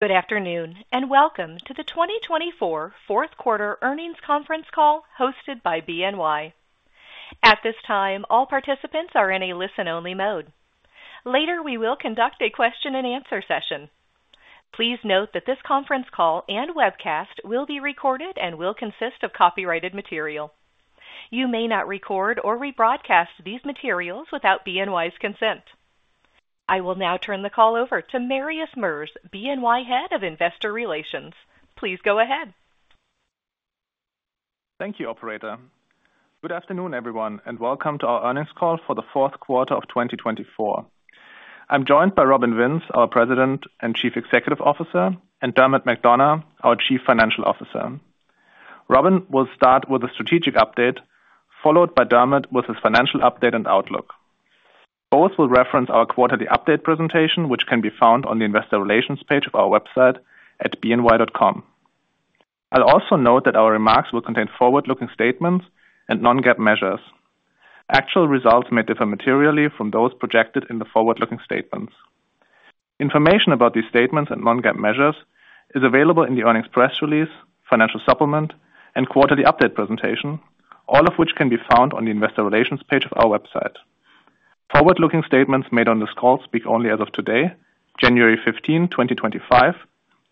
Good afternoon and welcome to the 2024 Fourth Quarter Earnings Conference Call hosted by BNY. At this time, all participants are in a listen-only mode. Later, we will conduct a question-and-answer session. Please note that this conference call and webcast will be recorded and will consist of copyrighted material. You may not record or rebroadcast these materials without BNY's consent. I will now turn the call over to Marius Merz, BNY Head of Investor Relations. Please go ahead. Thank you, Operator. Good afternoon, everyone, and welcome to our earnings call for the fourth quarter of 2024. I'm joined by Robin Vince, our President and Chief Executive Officer, and Dermot McDonogh, our Chief Financial Officer. Robin will start with a strategic update, followed by Dermot with his financial update and outlook. Both will reference our quarterly update presentation, which can be found on the Investor Relations page of our website at bny.com. I'll also note that our remarks will contain forward-looking statements and non-GAAP measures. Actual results may differ materially from those projected in the forward-looking statements. Information about these statements and non-GAAP measures is available in the earnings press release, financial supplement, and quarterly update presentation, all of which can be found on the Investor Relations page of our website. Forward-looking statements made on this call speak only as of today, January 15, 2025,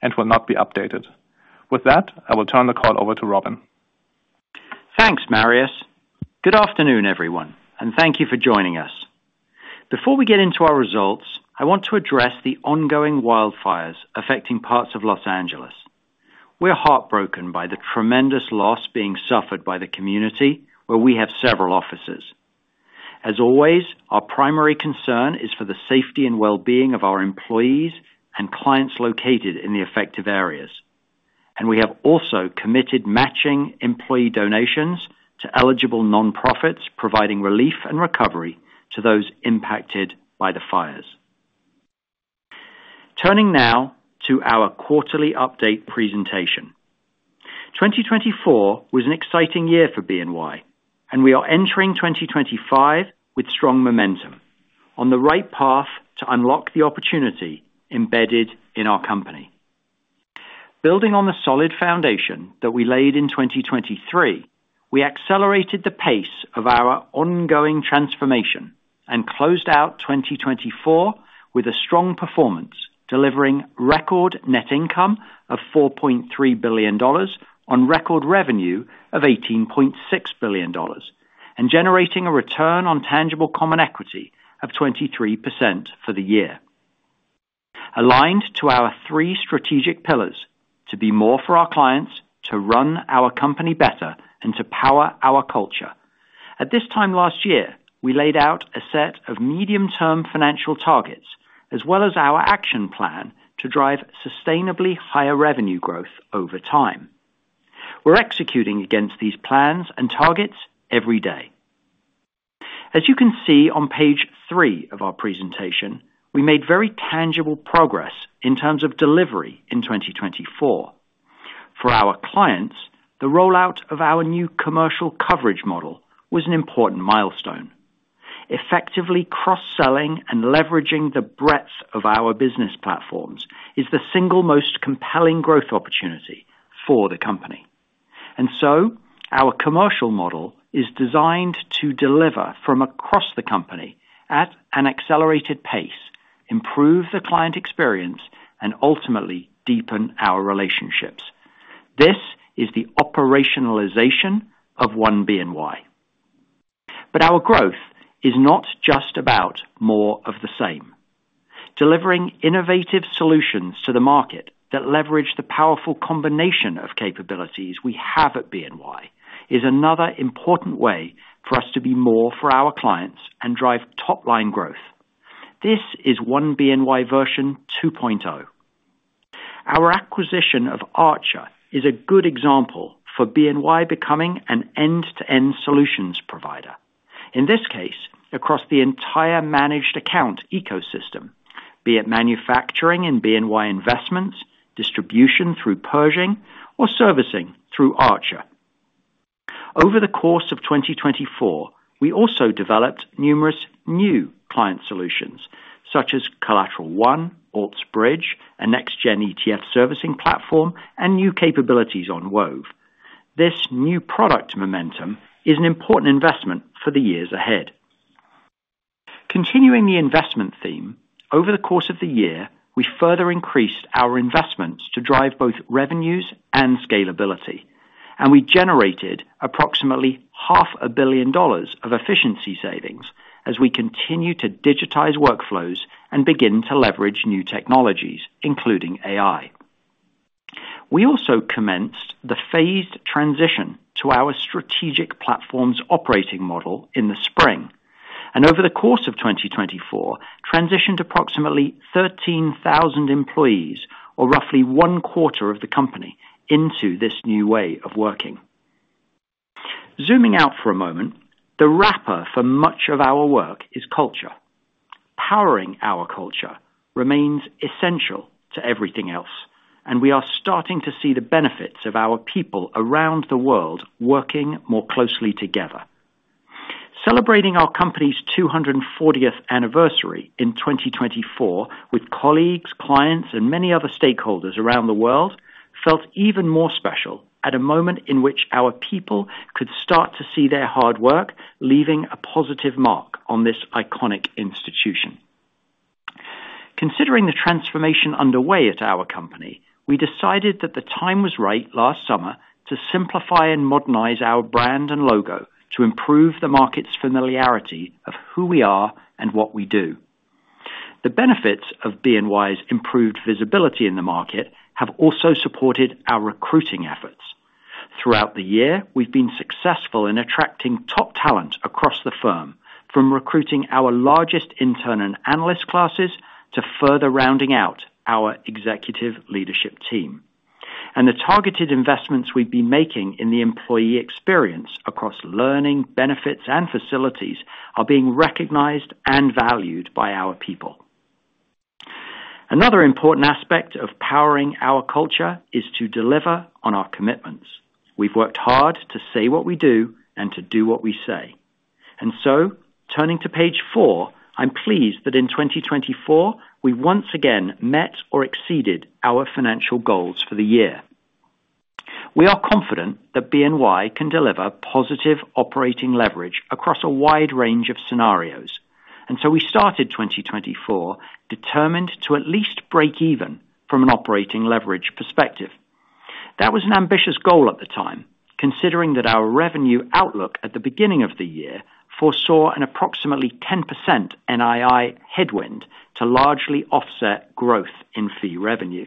and will not be updated. With that, I will turn the call over to Robin. Thanks, Marius. Good afternoon, everyone, and thank you for joining us. Before we get into our results, I want to address the ongoing wildfires affecting parts of Los Angeles. We're heartbroken by the tremendous loss being suffered by the community where we have several offices. As always, our primary concern is for the safety and well-being of our employees and clients located in the affected areas, and we have also committed matching employee donations to eligible nonprofits, providing relief and recovery to those impacted by the fires. Turning now to our quarterly update presentation. 2024 was an exciting year for BNY, and we are entering 2025 with strong momentum, on the right path to unlock the opportunity embedded in our company. Building on the solid foundation that we laid in 2023, we accelerated the pace of our ongoing transformation and closed out 2024 with a strong performance, delivering record net income of $4.3 billion on record revenue of $18.6 billion and generating a return on tangible common equity of 23% for the year. Aligned to our three strategic pillars: to be more for our clients, to run our company better, and to power our culture. At this time last year, we laid out a set of medium-term financial targets, as well as our action plan to drive sustainably higher revenue growth over time. We're executing against these plans and targets every day. As you can see on page three of our presentation, we made very tangible progress in terms of delivery in 2024. For our clients, the rollout of our new commercial coverage model was an important milestone. Effectively cross-selling and leveraging the breadth of our business platforms is the single most compelling growth opportunity for the company. And so, our commercial model is designed to deliver from across the company at an accelerated pace, improve the client experience, and ultimately deepen our relationships. This is the operationalization of One BNY. But our growth is not just about more of the same. Delivering innovative solutions to the market that leverage the powerful combination of capabilities we have at BNY is another important way for us to be more for our clients and drive top-line growth. This is One BNY version 2.0. Our acquisition of Archer is a good example for BNY becoming an end-to-end solutions provider, in this case, across the entire managed account ecosystem, be it manufacturing in BNY Investments, distribution through Pershing, or servicing through Archer. Over the course of 2024, we also developed numerous new client solutions, such as Collateral One, Altsbridge, a next-gen ETF servicing platform, and new capabilities on Wove. This new product momentum is an important investment for the years ahead. Continuing the investment theme, over the course of the year, we further increased our investments to drive both revenues and scalability, and we generated approximately $500 million of efficiency savings as we continue to digitize workflows and begin to leverage new technologies, including AI. We also commenced the phased transition to our strategic Platform Operating Model in the spring, and over the course of 2024, transitioned approximately 13,000 employees, or roughly one quarter of the company, into this new way of working. Zooming out for a moment, the wrapper for much of our work is culture. Powering our culture remains essential to everything else, and we are starting to see the benefits of our people around the world working more closely together. Celebrating our company's 240th anniversary in 2024 with colleagues, clients, and many other stakeholders around the world felt even more special at a moment in which our people could start to see their hard work leaving a positive mark on this iconic institution. Considering the transformation underway at our company, we decided that the time was right last summer to simplify and modernize our brand and logo to improve the market's familiarity of who we are and what we do. The benefits of BNY's improved visibility in the market have also supported our recruiting efforts. Throughout the year, we've been successful in attracting top talent across the firm, from recruiting our largest intern and analyst classes to further rounding out our executive leadership team. And the targeted investments we've been making in the employee experience across learning, benefits, and facilities are being recognized and valued by our people. Another important aspect of powering our culture is to deliver on our commitments. We've worked hard to say what we do and to do what we say. And so, turning to page four, I'm pleased that in 2024, we once again met or exceeded our financial goals for the year. We are confident that BNY can deliver positive operating leverage across a wide range of scenarios, and so we started 2024 determined to at least break even from an operating leverage perspective. That was an ambitious goal at the time, considering that our revenue outlook at the beginning of the year foresaw an approximately 10% NII headwind to largely offset growth in fee revenue.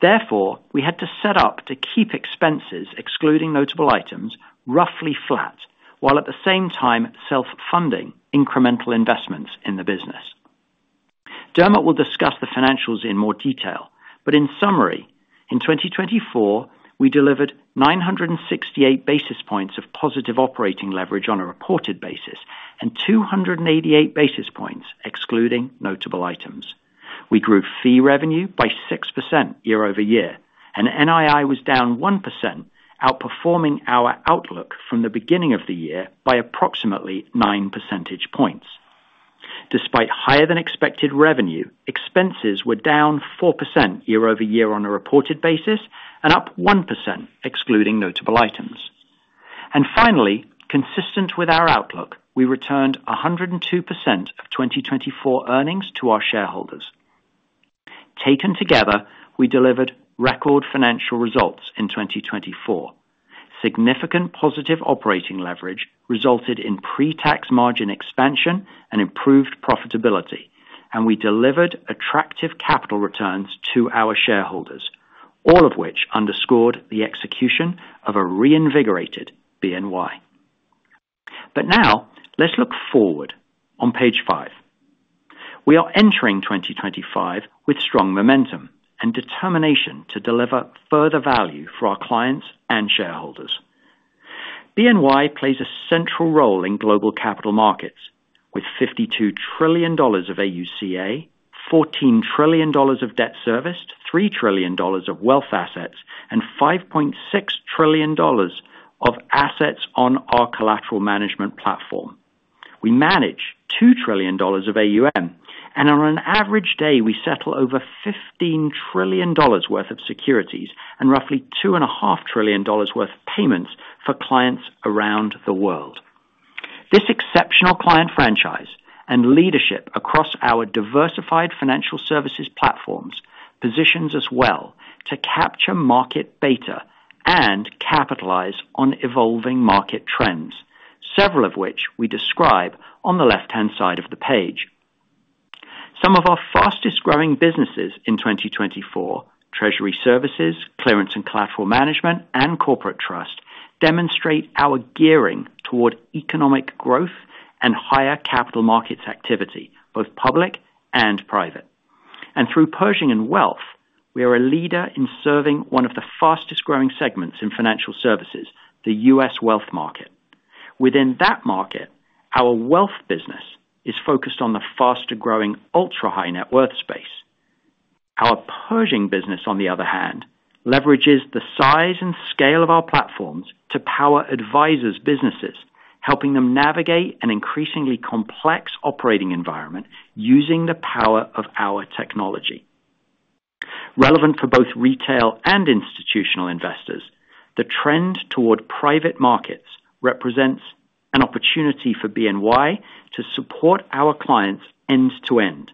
Therefore, we had to set up to keep expenses, excluding notable items, roughly flat, while at the same time self-funding incremental investments in the business. Dermot will discuss the financials in more detail, but in summary, in 2024, we delivered 968 basis points of positive operating leverage on a reported basis and 288 basis points excluding notable items. We grew fee revenue by 6% year-over-year, and NII was down 1%, outperforming our outlook from the beginning of the year by approximately 9 percentage points. Despite higher-than-expected revenue, expenses were down 4% year-over-year on a reported basis and up 1% excluding notable items. Finally, consistent with our outlook, we returned 102% of 2024 earnings to our shareholders. Taken together, we delivered record financial results in 2024. Significant positive operating leverage resulted in pre-tax margin expansion and improved profitability, and we delivered attractive capital returns to our shareholders, all of which underscored the execution of a reinvigorated BNY. But now, let's look forward on page five. We are entering 2025 with strong momentum and determination to deliver further value for our clients and shareholders. BNY plays a central role in global capital markets, with $52 trillion of AUCA, $14 trillion of debt serviced, $3 trillion of wealth assets, and $5.6 trillion of assets on our collateral management platform. We manage $2 trillion of AUM, and on an average day, we settle over $15 trillion worth of securities and roughly $2.5 trillion worth of payments for clients around the world. This exceptional client franchise and leadership across our diversified financial services platforms positions us well to capture market beta and capitalize on evolving market trends, several of which we describe on the left-hand side of the page. Some of our fastest-growing businesses in 2024, Treasury Services, Clearance and Collateral Management, and Corporate Trust, demonstrate our gearing toward economic growth and higher capital markets activity, both public and private, and through Pershing and Wealth, we are a leader in serving one of the fastest-growing segments in financial services, the U.S. wealth market. Within that market, our wealth business is focused on the faster-growing ultra-high-net-worth space. Our Pershing business, on the other hand, leverages the size and scale of our platforms to power advisors' businesses, helping them navigate an increasingly complex operating environment using the power of our technology. Relevant for both retail and institutional investors, the trend toward private markets represents an opportunity for BNY to support our clients end-to-end,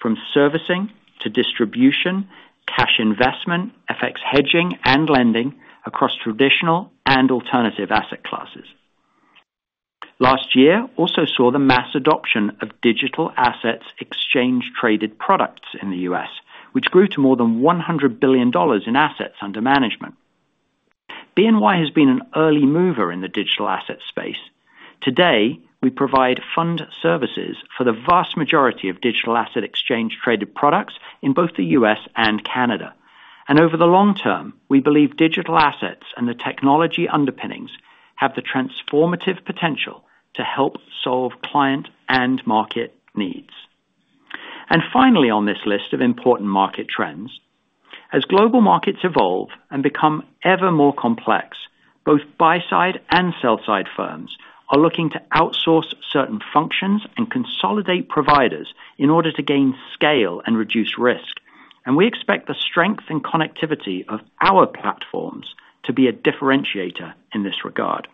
from servicing to distribution, cash investment, FX hedging, and lending across traditional and alternative asset classes. Last year also saw the mass adoption of digital assets exchange-traded products in the U.S., which grew to more than $100 billion in assets under management. BNY has been an early mover in the digital asset space. Today, we provide fund services for the vast majority of digital asset exchange-traded products in both the U.S. and Canada, and over the long term, we believe digital assets and the technology underpinnings have the transformative potential to help solve client and market needs. And finally, on this list of important market trends, as global markets evolve and become ever more complex, both buy-side and sell-side firms are looking to outsource certain functions and consolidate providers in order to gain scale and reduce risk, and we expect the strength and connectivity of our platforms to be a differentiator in this regard.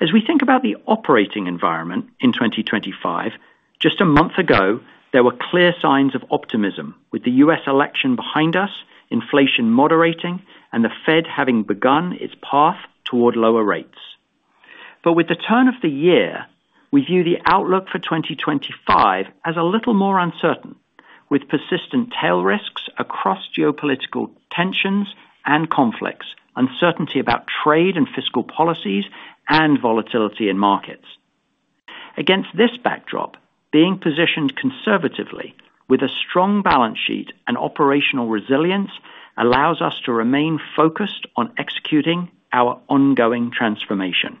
As we think about the operating environment in 2025, just a month ago, there were clear signs of optimism with the U.S. election behind us, inflation moderating, and the Fed having begun its path toward lower rates, but with the turn of the year, we view the outlook for 2025 as a little more uncertain, with persistent tail risks across geopolitical tensions and conflicts, uncertainty about trade and fiscal policies, and volatility in markets. Against this backdrop, being positioned conservatively with a strong balance sheet and operational resilience allows us to remain focused on executing our ongoing transformation.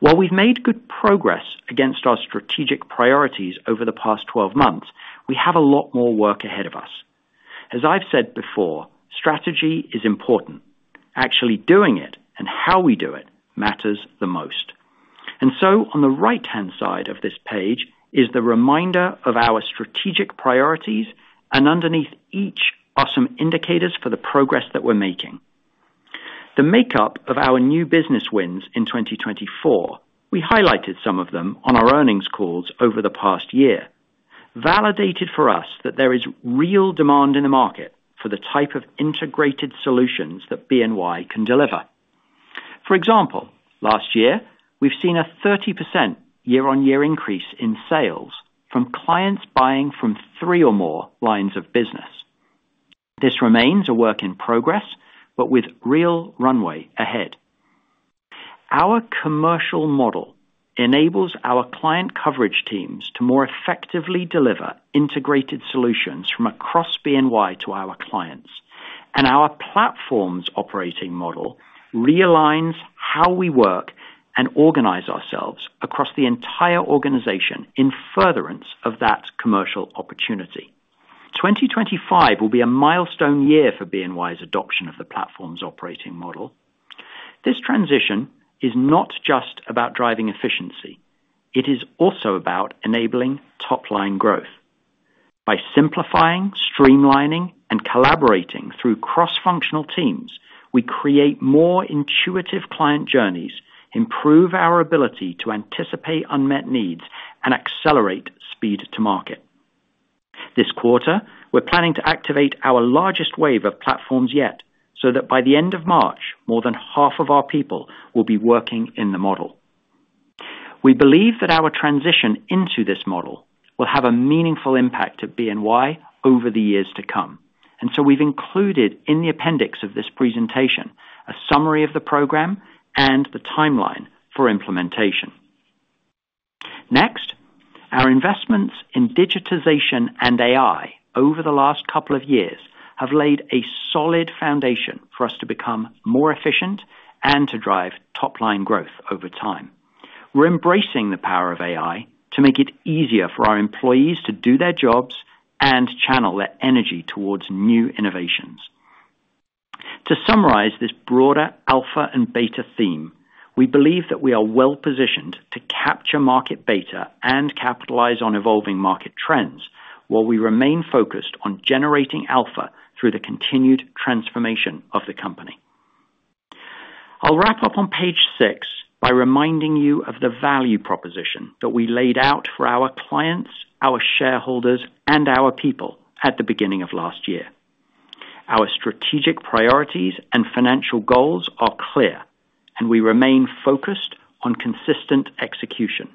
While we've made good progress against our strategic priorities over the past 12 months, we have a lot more work ahead of us. As I've said before, strategy is important. Actually doing it and how we do it matters the most. And so, on the right-hand side of this page is the reminder of our strategic priorities, and underneath each, are some indicators for the progress that we're making. The makeup of our new business wins in 2024 (we highlighted some of them on our earnings calls over the past year) validated for us that there is real demand in the market for the type of integrated solutions that BNY can deliver. For example, last year, we've seen a 30% year-on-year increase in sales from clients buying from three or more lines of business. This remains a work in progress, but with real runway ahead. Our commercial model enables our client coverage teams to more effectively deliver integrated solutions from across BNY to our clients, and our platforms operating model realigns how we work and organize ourselves across the entire organization in furtherance of that commercial opportunity. 2025 will be a milestone year for BNY's adoption of the Platform Operating Model. This transition is not just about driving efficiency. It is also about enabling top-line growth. By simplifying, streamlining, and collaborating through cross-functional teams, we create more intuitive client journeys, improve our ability to anticipate unmet needs, and accelerate speed to market. This quarter, we're planning to activate our largest wave of platforms yet so that by the end of March, more than half of our people will be working in the model. We believe that our transition into this model will have a meaningful impact at BNY over the years to come, and so we've included in the appendix of this presentation a summary of the program and the timeline for implementation. Next, our investments in digitization and AI over the last couple of years have laid a solid foundation for us to become more efficient and to drive top-line growth over time. We're embracing the power of AI to make it easier for our employees to do their jobs and channel their energy towards new innovations. To summarize this broader alpha and beta theme, we believe that we are well-positioned to capture market beta and capitalize on evolving market trends while we remain focused on generating alpha through the continued transformation of the company. I'll wrap up on page six by reminding you of the value proposition that we laid out for our clients, our shareholders, and our people at the beginning of last year. Our strategic priorities and financial goals are clear, and we remain focused on consistent execution.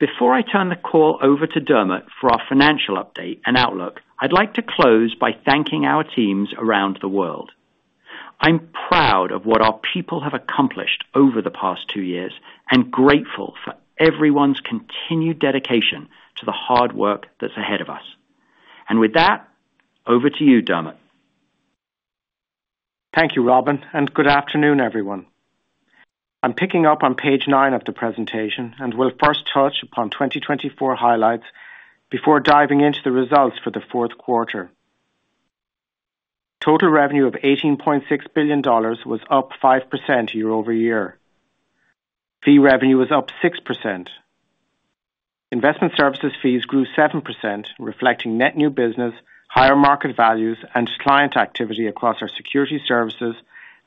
Before I turn the call over to Dermot for our financial update and outlook, I'd like to close by thanking our teams around the world. I'm proud of what our people have accomplished over the past two years and grateful for everyone's continued dedication to the hard work that's ahead of us. And with that, over to you, Dermot. Thank you, Robin, and good afternoon, everyone. I'm picking up on page nine of the presentation and will first touch upon 2024 highlights before diving into the results for the fourth quarter. Total revenue of $18.6 billion was up 5% year-over-year. Fee revenue was up 6%. Investment Services fees grew 7%, reflecting net new business, higher market values, and client activity across our Securities Services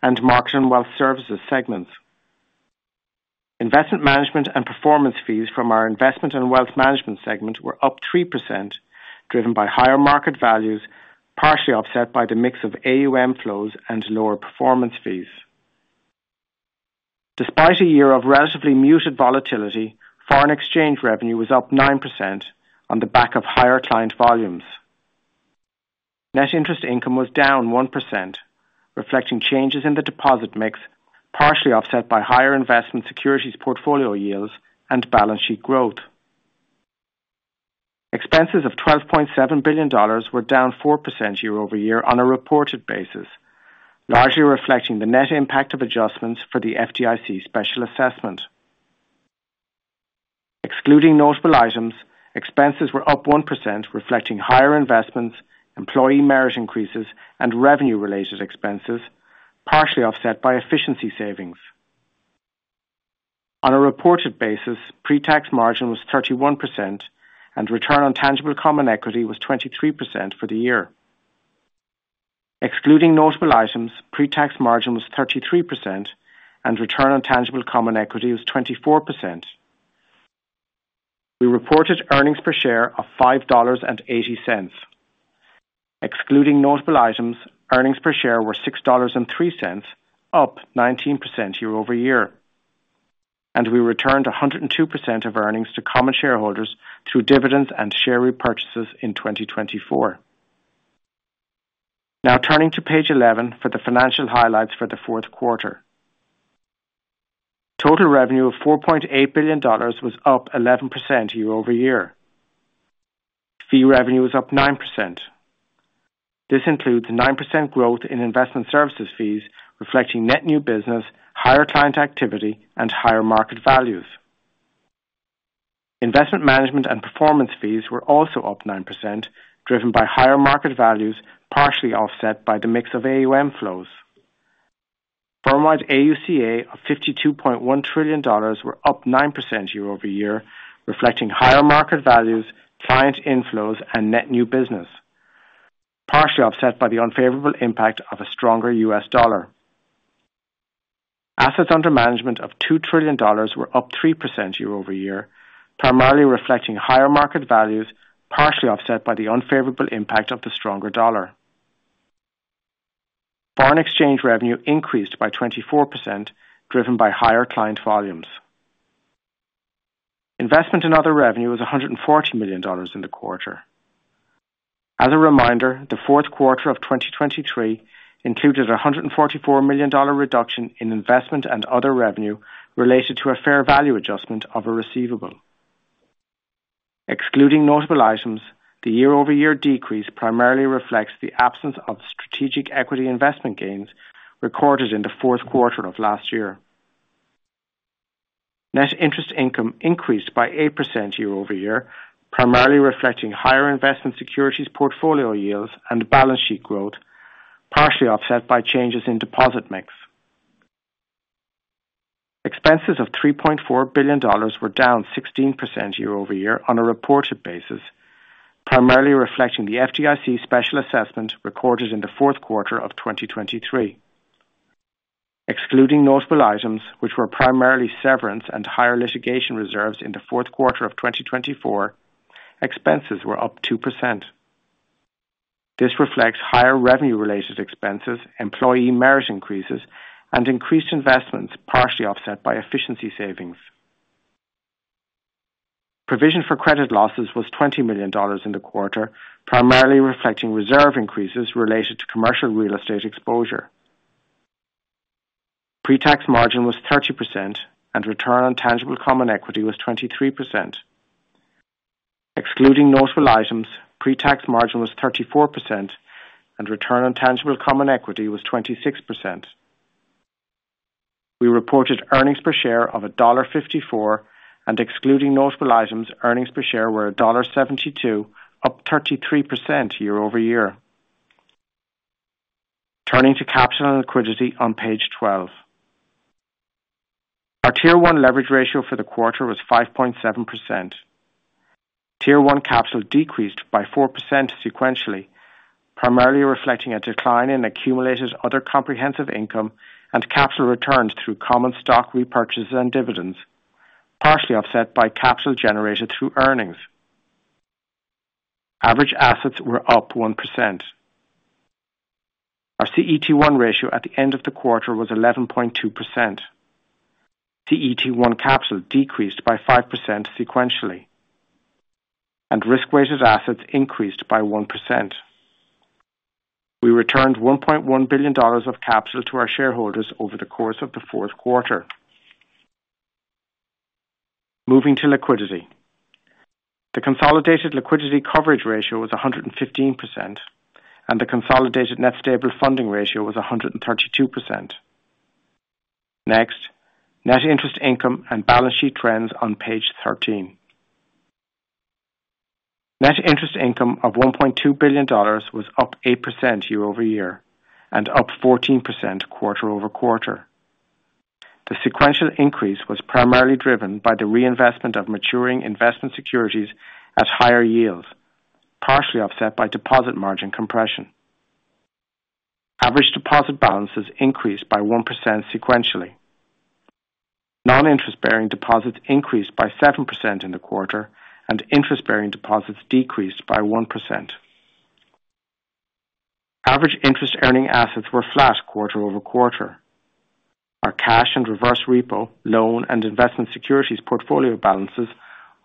and Market and Wealth Services segments. Investment management and performance fees from our investment and wealth management segment were up 3%, driven by higher market values, partially offset by the mix of AUM flows and lower performance fees. Despite a year of relatively muted volatility, foreign exchange revenue was up 9% on the back of higher client volumes. Net interest income was down 1%, reflecting changes in the deposit mix, partially offset by higher investment securities portfolio yields and balance sheet growth. Expenses of $12.7 billion were down 4% year-over-year on a reported basis, largely reflecting the net impact of adjustments for the FDIC special assessment. Excluding notable items, expenses were up 1%, reflecting higher investments, employee merit increases, and revenue-related expenses, partially offset by efficiency savings. On a reported basis, pre-tax margin was 31%, and return on tangible common equity was 23% for the year. Excluding notable items, pre-tax margin was 33%, and return on tangible common equity was 24%. We reported earnings per share of $5.80. Excluding notable items, earnings per share were $6.03, up 19% year-over-year. And we returned 102% of earnings to common shareholders through dividends and share repurchases in 2024. Now turning to page 11 for the financial highlights for the fourth quarter. Total revenue of $4.8 billion was up 11% year-over-year. Fee revenue was up 9%. This includes 9% growth in investment services fees, reflecting net new business, higher client activity, and higher market values. Investment management and performance fees were also up 9%, driven by higher market values, partially offset by the mix of AUM flows. Firm-wide AUCA of $52.1 trillion were up 9% year-over-year, reflecting higher market values, client inflows, and net new business, partially offset by the unfavorable impact of a stronger U.S. dollar. Assets under management of $2 trillion were up 3% year-over-year, primarily reflecting higher market values, partially offset by the unfavorable impact of the stronger dollar. Foreign exchange revenue increased by 24%, driven by higher client volumes. Investment and other revenue was $140 million in the quarter. As a reminder, the fourth quarter of 2023 included a $144 million reduction in investment and other revenue related to a fair value adjustment of a receivable. Excluding notable items, the year-over-year decrease primarily reflects the absence of strategic equity investment gains recorded in the fourth quarter of last year. Net interest income increased by 8% year- over-year, primarily reflecting higher investment securities portfolio yields and balance sheet growth, partially offset by changes in deposit mix. Expenses of $3.4 billion were down 16% year-over-year on a reported basis, primarily reflecting the FDIC special assessment recorded in the fourth quarter of 2023. Excluding notable items, which were primarily severance and higher litigation reserves in the fourth quarter of 2024, expenses were up 2%. This reflects higher revenue-related expenses, employee merit increases, and increased investments, partially offset by efficiency savings. Provision for credit losses was $20 million in the quarter, primarily reflecting reserve increases related to commercial real estate exposure. Pre-tax margin was 30%, and return on tangible common equity was 23%. Excluding notable items, pre-tax margin was 34%, and return on tangible common equity was 26%. We reported earnings per share of $1.54, and excluding notable items, earnings per share were $1.72, up 33% year-over-year. Turning to capital and liquidity on page 12. Our Tier 1 leverage ratio for the quarter was 5.7%. Tier 1 capital decreased by 4% sequentially, primarily reflecting a decline in accumulated other comprehensive income and capital returns through common stock repurchases and dividends, partially offset by capital generated through earnings. Average assets were up 1%. Our CET1 ratio at the end of the quarter was 11.2%. CET1 capital decreased by 5% sequentially, and risk-weighted assets increased by 1%. We returned $1.1 billion of capital to our shareholders over the course of the fourth quarter. Moving to liquidity. The consolidated liquidity coverage ratio was 115%, and the consolidated net stable funding ratio was 132%. Next, net interest income and balance sheet trends on page 13. Net interest income of $1.2 billion was up 8% year-over-year and up 14% quarter over quarter. The sequential increase was primarily driven by the reinvestment of maturing investment securities at higher yields, partially offset by deposit margin compression. Average deposit balances increased by 1% sequentially. Non-interest-bearing deposits increased by 7% in the quarter, and interest-bearing deposits decreased by 1%. Average interest-earning assets were flat quarter-over-quarter. Our cash and reverse repo, loan, and investment securities portfolio balances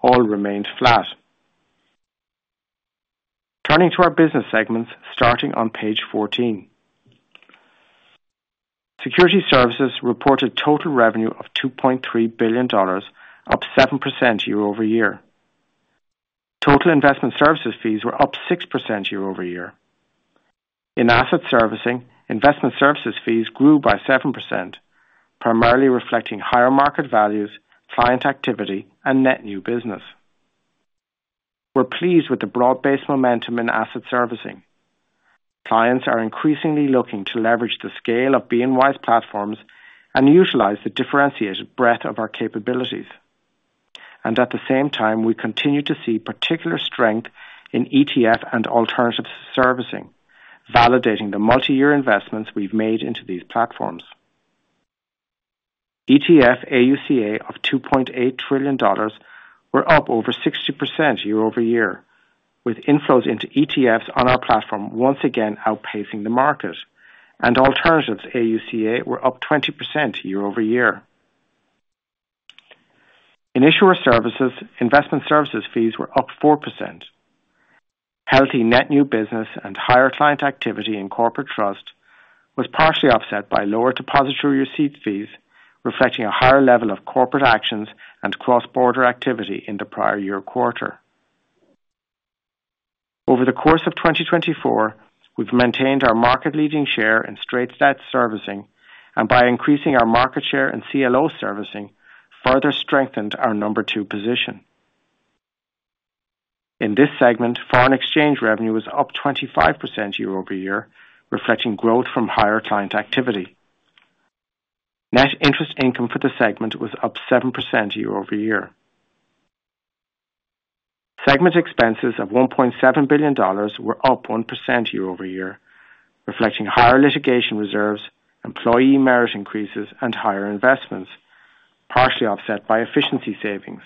all remained flat. Turning to our business segments starting on page 14. Securities Services reported total revenue of $2.3 billion, up 7% year-over-year. Total investment services fees were up 6% year-over-year. In asset servicing, investment services fees grew by 7%, primarily reflecting higher market values, client activity, and net new business. We're pleased with the broad-based momentum in asset servicing. Clients are increasingly looking to leverage the scale of BNY's platforms and utilize the differentiated breadth of our capabilities, and at the same time, we continue to see particular strength in ETF and alternative servicing, validating the multi-year investments we've made into these platforms. ETF AUCA of $2.8 trillion were up over 60% year-over-year, with inflows into ETFs on our platform once again outpacing the market, and alternatives AUCA were up 20% year-over-year. In issuer services, investment services fees were up 4%. Healthy net new business and higher client activity in corporate trust was partially offset by lower depository receipt fees, reflecting a higher level of corporate actions and cross-border activity in the prior year quarter. Over the course of 2024, we've maintained our market-leading share in straight debt servicing, and by increasing our market share in CLO servicing, further strengthened our number two position. In this segment, foreign exchange revenue was up 25% year-over-year, reflecting growth from higher client activity. Net interest income for the segment was up 7% year-over-year. Segment expenses of $1.7 billion were up 1% year-over-year, reflecting higher litigation reserves, employee merit increases, and higher investments, partially offset by efficiency savings.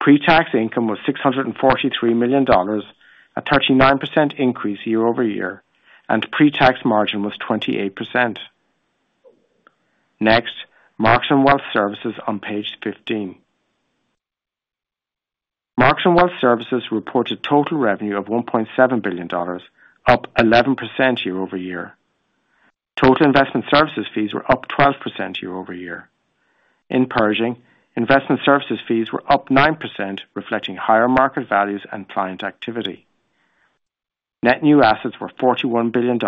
Pre-tax income was $643 million, a 39% increase year-over-year, and pre-tax margin was 28%. Next, Market and Wealth Services on page 15. Market and Wealth Services reported total revenue of $1.7 billion, up 11% year-over-year. Total investment services fees were up 12% year-over-year. In Pershing, investment services fees were up 9%, reflecting higher market values and client activity. Net new assets were $41 billion,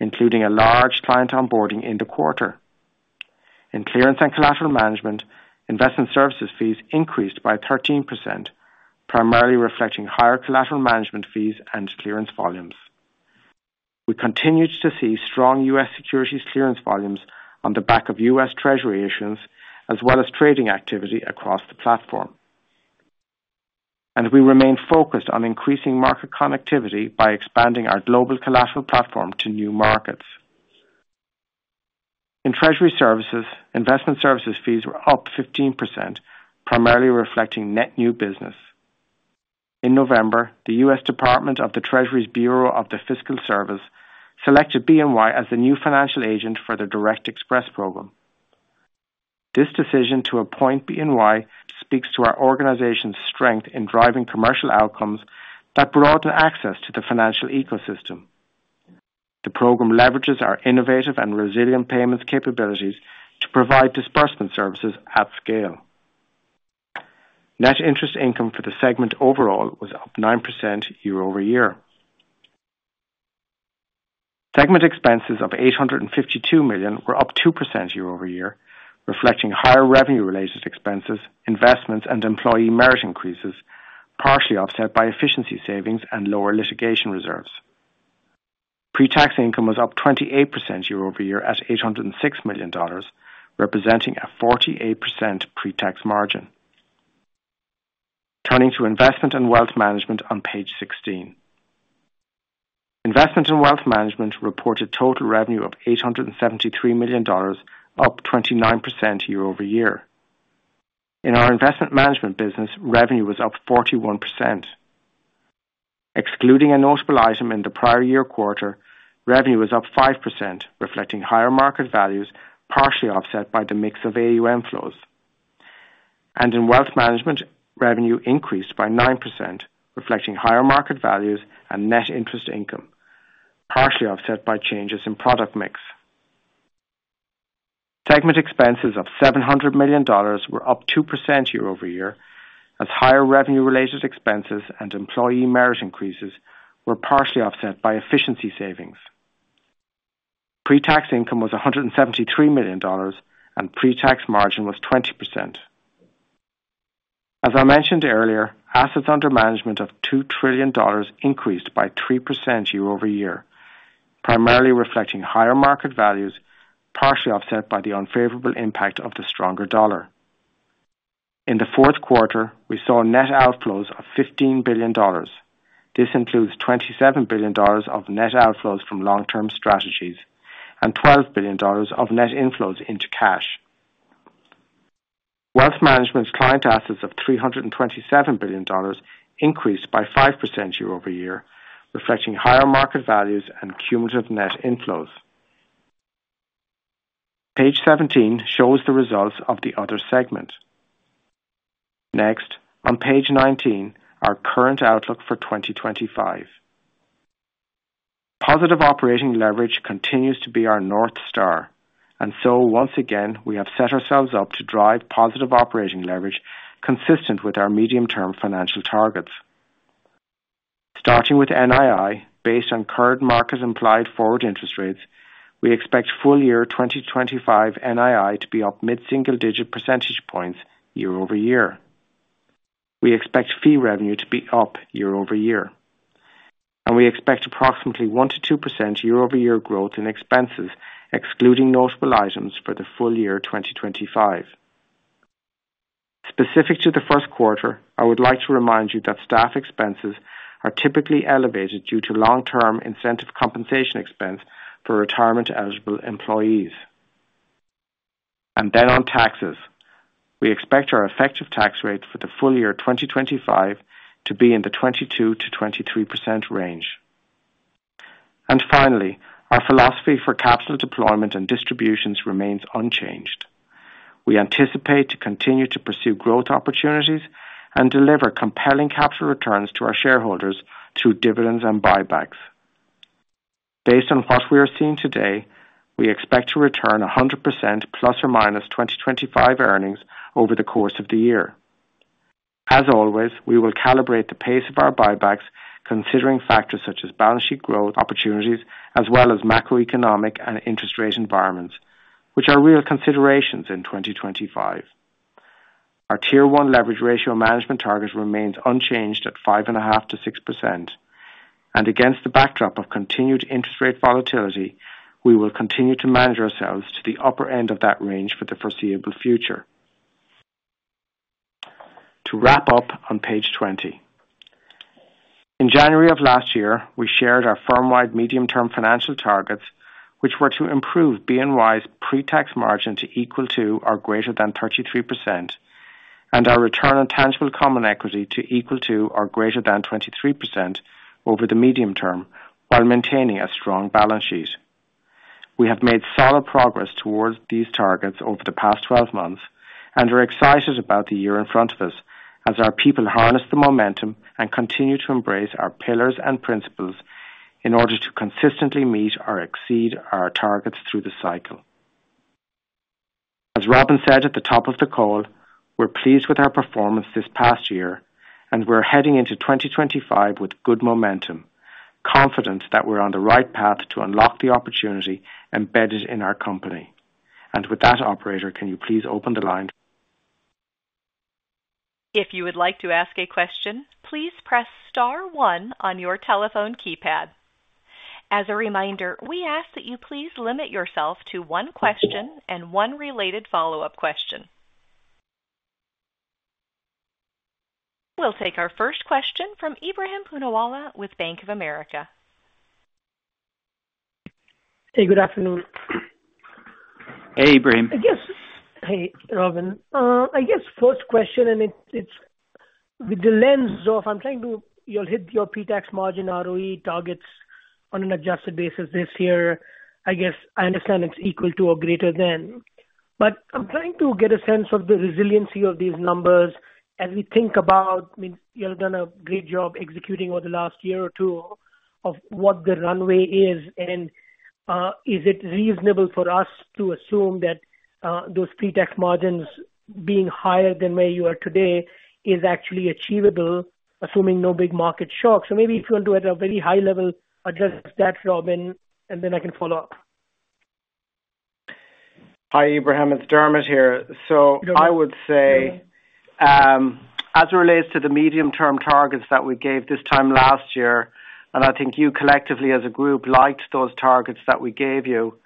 including a large client onboarding in the quarter. In clearance and collateral management, investment services fees increased by 13%, primarily reflecting higher collateral management fees and clearance volumes. We continued to see strong U.S. securities clearance volumes on the back of U.S. Treasury issuance, as well as trading activity across the platform. And we remain focused on increasing market connectivity by expanding our global collateral platform to new markets. In treasury services, investment services fees were up 15%, primarily reflecting net new business. In November, the U.S. Department of the Treasury's Bureau of the Fiscal Service selected BNY as the new financial agent for the Direct Express program. This decision to appoint BNY speaks to our organization's strength in driving commercial outcomes that broaden access to the financial ecosystem. The program leverages our innovative and resilient payments capabilities to provide disbursement services at scale. Net interest income for the segment overall was up 9% year-over-year. Segment expenses of $852 million were up 2% year-over-year, reflecting higher revenue-related expenses, investments, and employee merit increases, partially offset by efficiency savings and lower litigation reserves. Pre-tax income was up 28% year-over-year at $806 million, representing a 48% pre-tax margin. Turning to investment and wealth management on page 16. Investment and wealth management reported total revenue of $873 million, up 29% year-over-year. In our investment management business, revenue was up 41%. Excluding a notable item in the prior year quarter, revenue was up 5%, reflecting higher market values, partially offset by the mix of AUM flows. And in wealth management, revenue increased by 9%, reflecting higher market values and net interest income, partially offset by changes in product mix. Segment expenses of $700 million were up 2% year-over-year, as higher revenue-related expenses and employee merit increases were partially offset by efficiency savings. Pre-tax income was $173 million, and pre-tax margin was 20%. As I mentioned earlier, assets under management of $2 trillion increased by 3% year-over-year, primarily reflecting higher market values, partially offset by the unfavorable impact of the stronger dollar. In the fourth quarter, we saw net outflows of $15 billion. This includes $27 billion of net outflows from long-term strategies and $12 billion of net inflows into cash. Wealth management's client assets of $327 billion increased by 5% year-over-year, reflecting higher market values and cumulative net inflows. Page 17 shows the results of the other segment. Next, on Page 19, our current outlook for 2025. Positive operating leverage continues to be our North Star, and so once again, we have set ourselves up to drive positive operating leverage consistent with our medium-term financial targets. Starting with NII, based on current market-implied forward interest rates, we expect full-year 2025 NII to be up mid-single-digit percentage points year-over-year. We expect fee revenue to be up year-over-year, and we expect approximately 1%-2% year-over-year growth in expenses, excluding notable items for the full year 2025. Specific to the first quarter, I would like to remind you that staff expenses are typically elevated due to long-term incentive compensation expense for retirement-eligible employees, and then on taxes, we expect our effective tax rate for the full year 2025 to be in the 22%-23% range, and finally, our philosophy for capital deployment and distributions remains unchanged. We anticipate to continue to pursue growth opportunities and deliver compelling capital returns to our shareholders through dividends and buybacks. Based on what we are seeing today, we expect to return 100% plus or minus 2025 earnings over the course of the year. As always, we will calibrate the pace of our buybacks, considering factors such as balance sheet growth opportunities, as well as macroeconomic and interest rate environments, which are real considerations in 2025. Our Tier 1 Leverage Ratio management target remains unchanged at 5.5%-6%, and against the backdrop of continued interest rate volatility, we will continue to manage ourselves to the upper end of that range for the foreseeable future. To wrap up on page 20. In January of last year, we shared our firm-wide medium-term financial targets, which were to improve BNY's pre-tax margin to equal to or greater than 33%, and our return on tangible common equity to equal to or greater than 23% over the medium term, while maintaining a strong balance sheet. We have made solid progress towards these targets over the past 12 months and are excited about the year in front of us as our people harness the momentum and continue to embrace our pillars and principles in order to consistently meet or exceed our targets through the cycle. As Robin said at the top of the call, we're pleased with our performance this past year, and we're heading into 2025 with good momentum, confident that we're on the right path to unlock the opportunity embedded in our company. And with that, Operator, can you please open the line? If you would like to ask a question, please press star one on your telephone keypad. As a reminder, we ask that you please limit yourself to one question and one related follow-up question. We'll take our first question from Ebrahim Poonawala with Bank of America. Hey, good afternoon. Hey, Ebrahim. Yes. Hey, Robin. I guess first question, and it's with the lens of I'm trying to you'll hit your pre-tax margin ROE targets on an adjusted basis this year. I guess I understand it's equal to or greater than, but I'm trying to get a sense of the resiliency of these numbers as we think about, I mean, you've done a great job executing over the last year or two of what the runway is it reasonable for us to assume that those pre-tax margins being higher than where you are today is actually achievable, assuming no big market shocks? Maybe if you want to, at a very high level, address that, Robin, and then I can follow up. Hi, Ebrahim. It's Dermot here. I would say, as it relates to the medium-term targets that we gave this time last year, and I think you collectively as a group liked those targets that we gave you.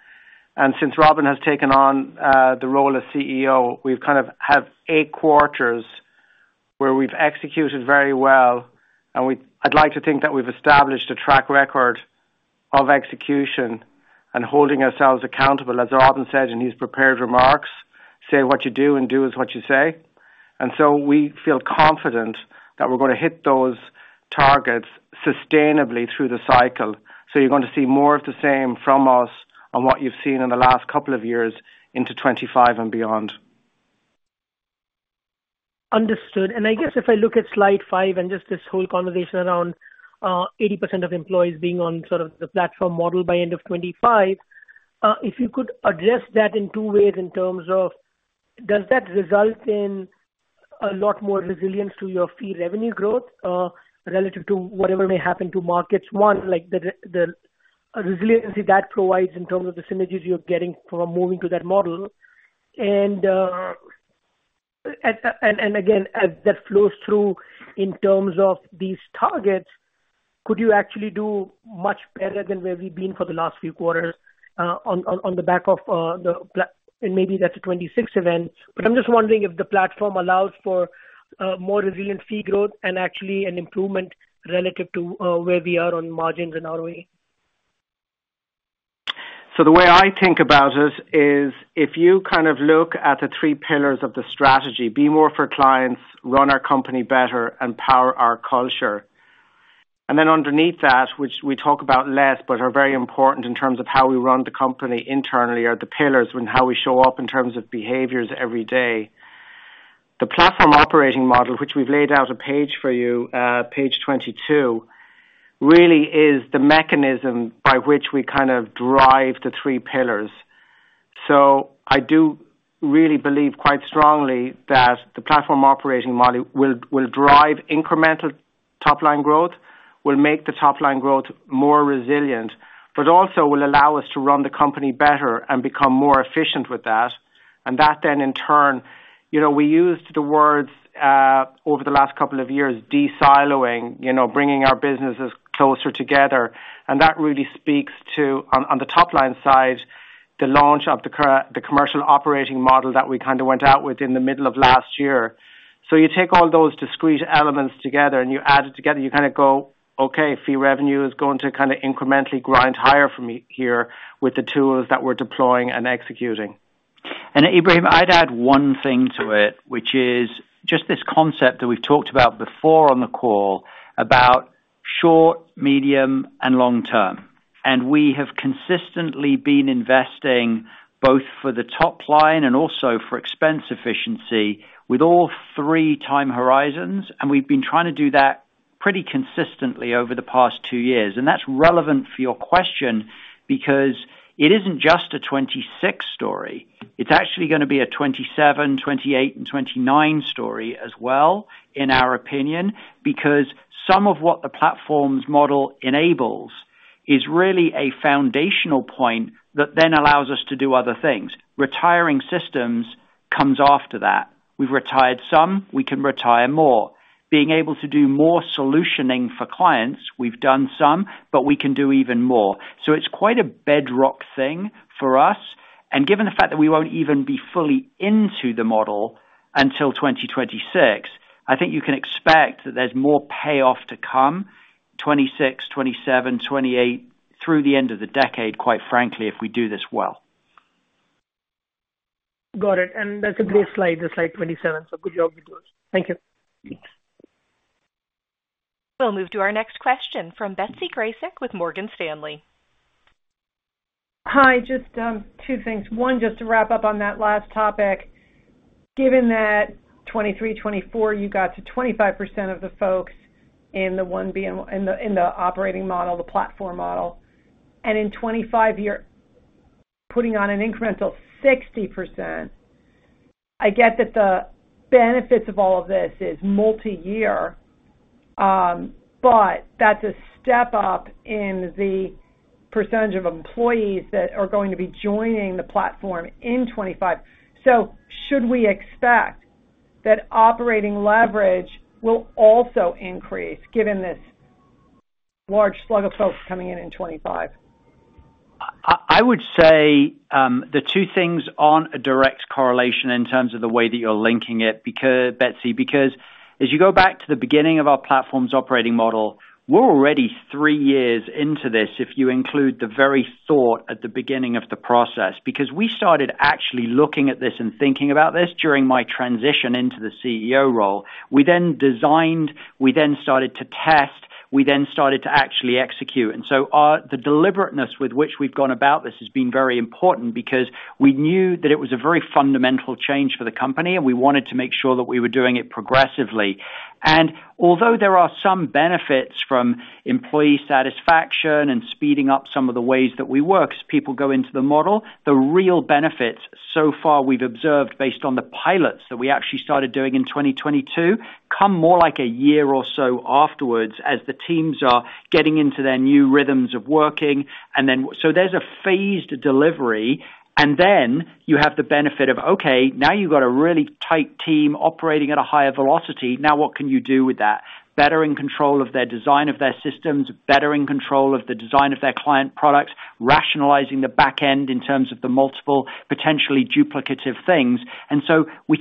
Since Robin has taken on the role of CEO, we've kind of had eight quarters where we've executed very well. And I'd like to think that we've established a track record of execution and holding ourselves accountable, as Robin said in his prepared remarks, "Say what you do and do as what you say." And so we feel confident that we're going to hit those targets sustainably through the cycle. So you're going to see more of the same from us on what you've seen in the last couple of years into 2025 and beyond. Understood. I guess if I look at slide five and just this whole conversation around 80% of employees being on sort of the platform model by end of 2025, if you could address that in two ways in terms of, does that result in a lot more resilience to your fee revenue growth relative to whatever may happen to markets, one, like the resiliency that provides in terms of the synergies you're getting from moving to that model? And again, as that flows through in terms of these targets, could you actually do much better than where we've been for the last few quarters on the back of the, and maybe that's a 2026 event, but I'm just wondering if the platform allows for more resilient fee growth and actually an improvement relative to where we are on margins and ROE? So the way I think about it is if you kind of look at the three pillars of the strategy: be more for clients, run our company better, and power our culture. And then underneath that, which we talk about less but are very important in terms of how we run the company internally are the pillars and how we show up in terms of behaviors every day. The Platform Operating Model, which we've laid out a page for you, page 22, really is the mechanism by which we kind of drive the three pillars. So I do really believe quite strongly that the Platform Operating Model will drive incremental top-line growth, will make the top-line growth more resilient, but also will allow us to run the company better and become more efficient with that. And that then, in turn, we used the words over the last couple of years, de-siloing, bringing our businesses closer together. And that really speaks to, on the top-line side, the launch of the commercial operating model that we kind of went out with in the middle of last year. So you take all those discrete elements together and you add it together, you kind of go, "Okay, fee revenue is going to kind of incrementally grind higher for me here with the tools that we're deploying and executing." And Ibrahim, I'd add one thing to it, which is just this concept that we've talked about before on the call about short, medium, and long term. And we have consistently been investing both for the top line and also for expense efficiency with all three time horizons. We've been trying to do that pretty consistently over the past two years. That's relevant for your question because it isn't just a 2026 story. It's actually going to be a 2027, 2028, and 2029 story as well, in our opinion, because some of what the platform's model enables is really a foundational point that then allows us to do other things. Retiring systems comes after that. We've retired some. We can retire more. Being able to do more solutioning for clients, we've done some, but we can do even more. It's quite a bedrock thing for us. Given the fact that we won't even be fully into the model until 2026, I think you can expect that there's more payoff to come 2026, 2027, 2028, through the end of the decade, quite frankly, if we do this well. Got it. And that's a great slide, the slide 27. So good job with those. Thank you. We'll move to our next question from Betsy Graseck with Morgan Stanley. Hi. Just two things. One, just to wrap up on that last topic. Given that 2023, 2024, you got to 25% of the folks in the operating model, the platform model. And in 2025, you're putting on an incremental 60%. I get that the benefits of all of this is multi-year, but that's a step up in the percentage of employees that are going to be joining the platform in 2025. So should we expect that operating leverage will also increase given this large slug of folks coming in in 2025? I would say the two things aren't a direct correlation in terms of the way that you're linking it, Betsy, because as you go back to the beginning of our platform's operating model, we're already three years into this if you include the very thought at the beginning of the process. Because we started actually looking at this and thinking about this during my transition into the CEO role. We then designed, we then started to test, we then started to actually execute. And so the deliberateness with which we've gone about this has been very important because we knew that it was a very fundamental change for the company, and we wanted to make sure that we were doing it progressively. And although there are some benefits from employee satisfaction and speeding up some of the ways that we work as people go into the model, the real benefits so far we've observed based on the pilots that we actually started doing in 2022 come more like a year or so afterwards as the teams are getting into their new rhythms of working. And then so there's a phased delivery. And then you have the benefit of, "Okay, now you've got a really tight team operating at a higher velocity. Now what can you do with that?" Better in control of their design of their systems, better in control of the design of their client products, rationalizing the back end in terms of the multiple potentially duplicative things. And so we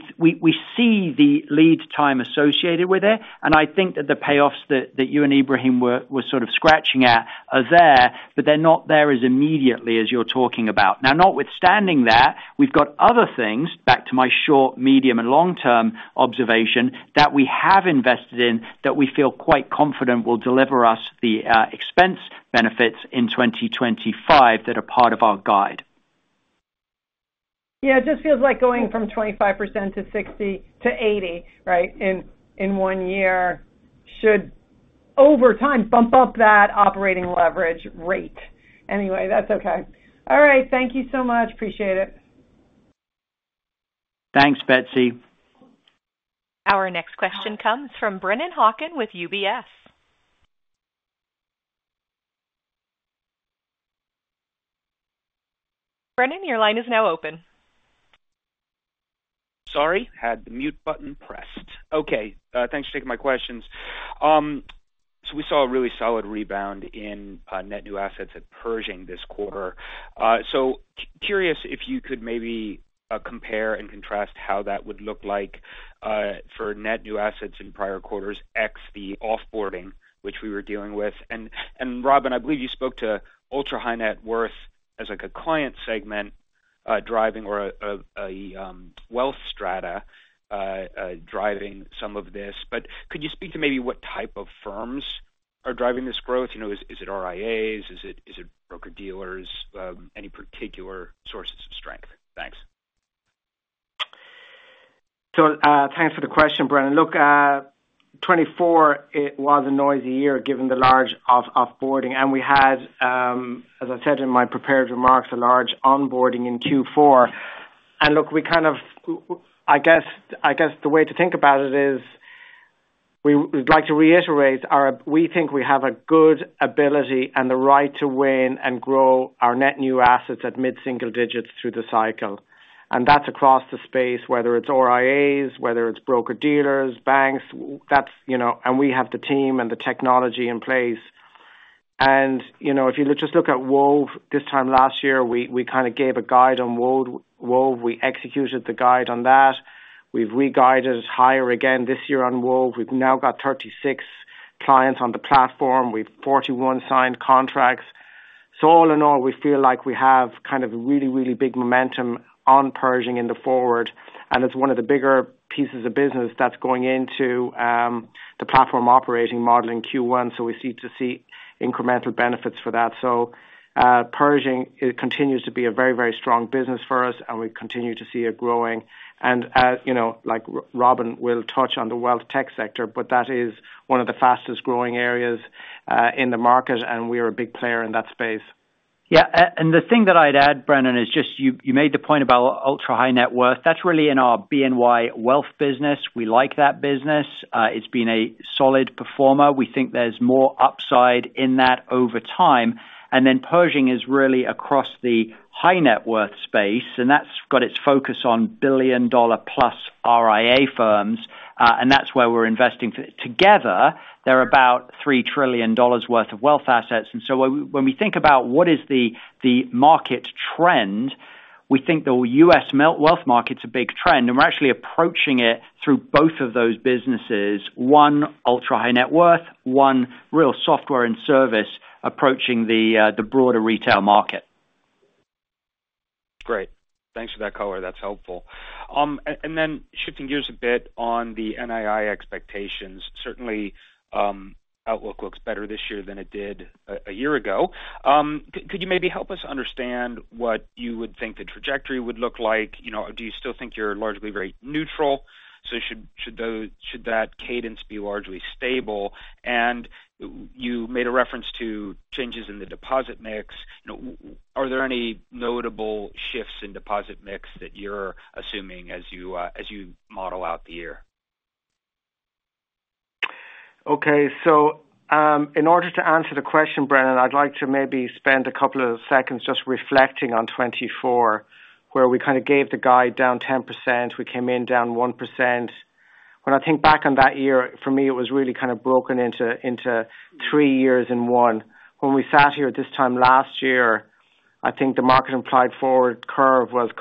see the lead time associated with it. And I think that the payoffs that you and Ibrahim were sort of scratching at are there, but they're not there as immediately as you're talking about. Now, notwithstanding that, we've got other things, back to my short, medium, and long-term observation, that we have invested in that we feel quite confident will deliver us the expense benefits in 2025 that are part of our guide. Yeah. It just feels like going from 25% to 60% to 80%, right, in one year should over time bump up that operating leverage rate. Anyway, that's okay. All right. Thank you so much. Appreciate it. Thanks, Betsy. Our next question comes from Brennan Hawken with UBS. Brennan, your line is now open. Sorry. Had the mute button pressed. Okay. Thanks for taking my questions. So we saw a really solid rebound in net new assets at Pershing this quarter. Curious if you could maybe compare and contrast how that would look like for net new assets in prior quarters X the offboarding, which we were dealing with. And Robin, I believe you spoke to Ultra High Net Worth as a client segment driving or a wealth strata driving some of this. But could you speak to maybe what type of firms are driving this growth? Is it RIAs? Is it broker-dealers? Any particular sources of strength? Thanks. So thanks for the question, Brennan. Look, 2024, it was a noisy year given the large offboarding. And we had, as I said in my prepared remarks, a large onboarding in Q4. Look, we kind of, I guess the way to think about it is we'd like to reiterate we think we have a good ability and the right to win and grow our net new assets at mid-single digits through the cycle. That's across the space, whether it's RIAs, whether it's broker-dealers, banks, and we have the team and the technology in place. If you just look at Wove, this time last year, we kind of gave a guide on Wove. We executed the guide on that. We've re-guided higher again this year on Wove. We've now got 36 clients on the platform. We've 41 signed contracts. So all in all, we feel like we have kind of a really, really big momentum on Pershing in the forward. It's one of the bigger pieces of business that's going into the platform operating model in Q1. So we seem to see incremental benefits for that. Pershing continues to be a very, very strong business for us, and we continue to see it growing. Like Robin will touch on the wealth tech sector, but that is one of the fastest growing areas in the market, and we are a big player in that space. Yeah. The thing that I'd add, Brennan, is just you made the point about Ultra High Net Worth. That's really in our BNY Wealth business. We like that business. It's been a solid performer. We think there's more upside in that over time. Pershing is really across the high net worth space, and that's got its focus on billion-dollar-plus RIA firms. That's where we're investing. Together, they're about $3 trillion worth of wealth assets. And so when we think about what is the market trend, we think the U.S. wealth market's a big trend, and we're actually approaching it through both of those businesses: one ultra-high-net-worth, one real software and service approaching the broader retail market. Great. Thanks for that color. That's helpful. And then shifting gears a bit on the NII expectations, certainly outlook looks better this year than it did a year ago. Could you maybe help us understand what you would think the trajectory would look like? Do you still think you're largely very neutral? So should that cadence be largely stable? And you made a reference to changes in the deposit mix. Are there any notable shifts in deposit mix that you're assuming as you model out the year? Okay. So in order to answer the question, Brennan, I'd like to maybe spend a couple of seconds just reflecting on 2024, where we kind of gave the guide down 10%. We came in down 1%. When I think back on that year, for me, it was really kind of broken into three years in one. When we sat here this time last year, I think the market implied forward curve was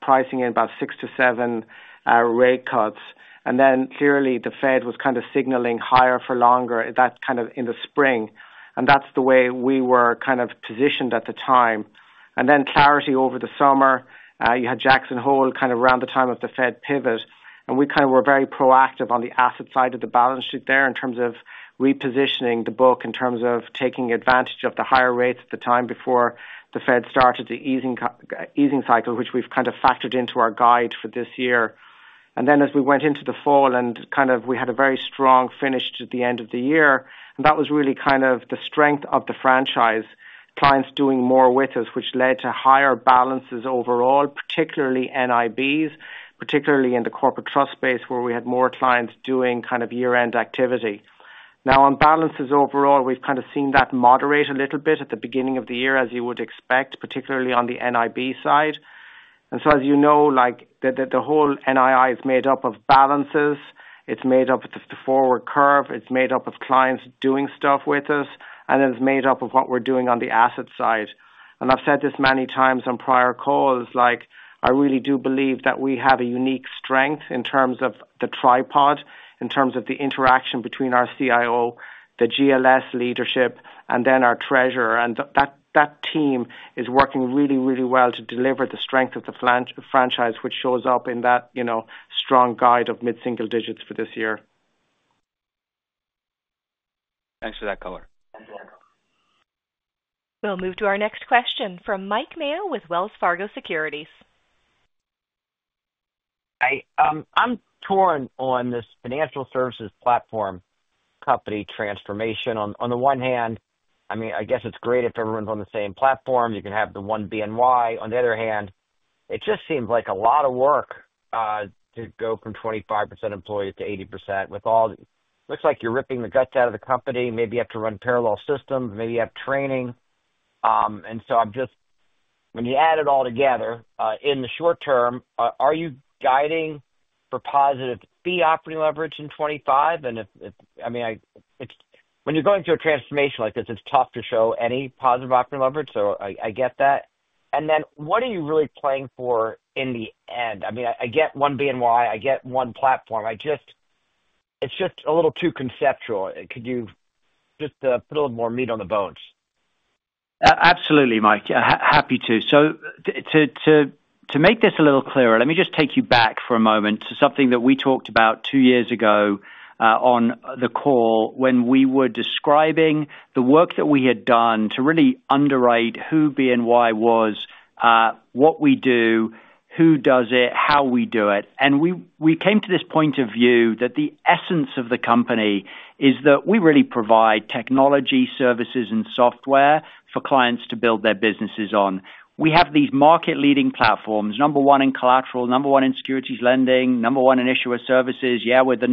pricing in about six to seven rate cuts. And then clearly, the Fed was kind of signaling higher for longer, that kind of in the spring. And that's the way we were kind of positioned at the time. And then clarity over the summer, you had Jackson Hole kind of around the time of the Fed pivot. We kind of were very proactive on the asset side of the balance sheet there in terms of repositioning the book in terms of taking advantage of the higher rates at the time before the Fed started the easing cycle, which we've kind of factored into our guide for this year. Then as we went into the fall and kind of we had a very strong finish to the end of the year, and that was really kind of the strength of the franchise, clients doing more with us, which led to higher balances overall, particularly NIBs, particularly in the corporate trust space where we had more clients doing kind of year-end activity. Now, on balances overall, we've kind of seen that moderate a little bit at the beginning of the year, as you would expect, particularly on the NIB side. And so as you know, the whole NII is made up of balances. It's made up of the forward curve. It's made up of clients doing stuff with us. And it's made up of what we're doing on the asset side. And I've said this many times on prior calls, I really do believe that we have a unique strength in terms of the tripod, in terms of the interaction between our CIO, the GLS leadership, and then our treasurer. And that team is working really, really well to deliver the strength of the franchise, which shows up in that strong guide of mid-single digits for this year. Thanks for that color. We'll move to our next question from Mike Mayo with Wells Fargo Securities. Hi. I'm torn on this financial services platform company transformation. On the one hand, I mean, I guess it's great if everyone's on the same platform. You can have the One BNY. On the other hand, it just seems like a lot of work to go from 25% employees to 80% with it all looks like you're ripping the guts out of the company. Maybe you have to run parallel systems. Maybe you have training. And so I'm just, when you add it all together in the short term, are you guiding for positive fee operating leverage in 2025? And I mean, when you're going through a transformation like this, it's tough to show any positive operating leverage. So I get that. And then what are you really playing for in the end? I mean, I get One BNY. I get one platform. It's just a little too conceptual. Could you just put a little more meat on the bones? Absolutely, Mike. Happy to. So to make this a little clearer, let me just take you back for a moment to something that we talked about two years ago on the call when we were describing the work that we had done to really underwrite who BNY was, what we do, who does it, how we do it. And we came to this point of view that the essence of the company is that we really provide technology, services, and software for clients to build their businesses on. We have these market-leading platforms, number one in collateral, number one in securities lending, number one in issuer services. Yeah, we're the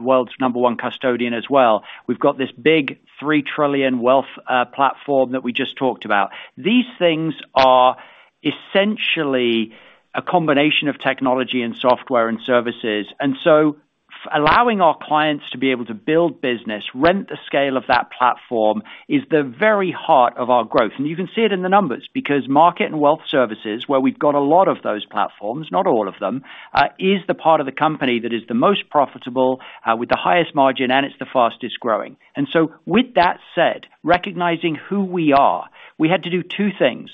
world's number one custodian as well. We've got this big $3 trillion wealth platform that we just talked about. These things are essentially a combination of technology and software and services. And so allowing our clients to be able to build business on the scale of that platform is the very heart of our growth. And you can see it in the numbers because Market and Wealth Services, where we've got a lot of those platforms, not all of them, is the part of the company that is the most profitable, with the highest margin, and it's the fastest growing. And so with that said, recognizing who we are, we had to do two things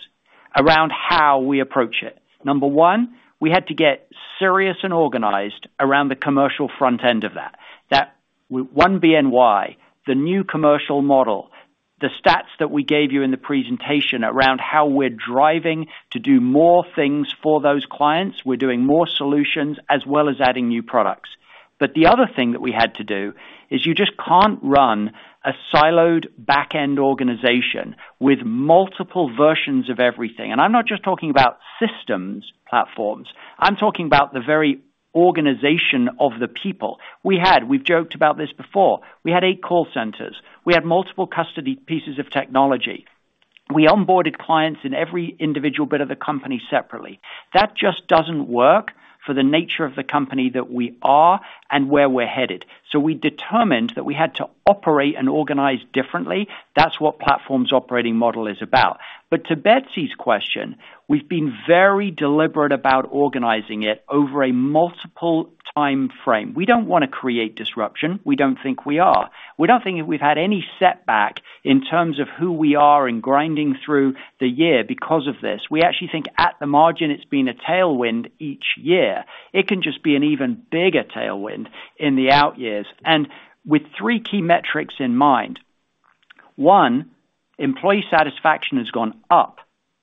around how we approach it. Number one, we had to get serious and organized around the commercial front end of that. That One BNY, the new commercial model, the stats that we gave you in the presentation around how we're driving to do more things for those clients, we're doing more solutions as well as adding new products. But the other thing that we had to do is you just can't run a siloed back-end organization with multiple versions of everything. And I'm not just talking about systems, platforms. I'm talking about the very organization of the people. We had, we've joked about this before. We had eight call centers. We had multiple custody pieces of technology. We onboarded clients in every individual bit of the company separately. That just doesn't work for the nature of the company that we are and where we're headed. So we determined that we had to operate and organize differently. That's what Platform Operating Model is about. But to Betsy's question, we've been very deliberate about organizing it over a multiple time frame. We don't want to create disruption. We don't think we are. We don't think we've had any setback in terms of who we are in grinding through the year because of this. We actually think at the margin, it's been a tailwind each year. It can just be an even bigger tailwind in the out years. And with three key metrics in mind. One, employee satisfaction has gone up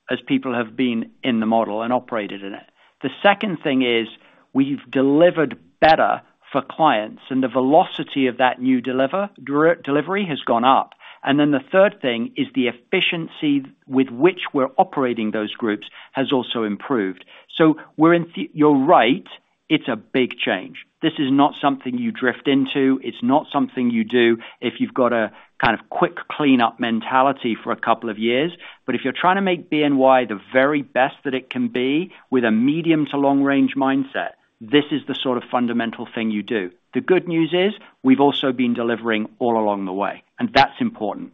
as people have been in the model and operated in it. The second thing is we've delivered better for clients, and the velocity of that new delivery has gone up. And then the third thing is the efficiency with which we're operating those groups has also improved. So you're right, it's a big change. This is not something you drift into. It's not something you do if you've got a kind of quick cleanup mentality for a couple of years. But if you're trying to make BNY the very best that it can be with a medium to long-range mindset, this is the sort of fundamental thing you do. The good news is we've also been delivering all along the way, and that's important.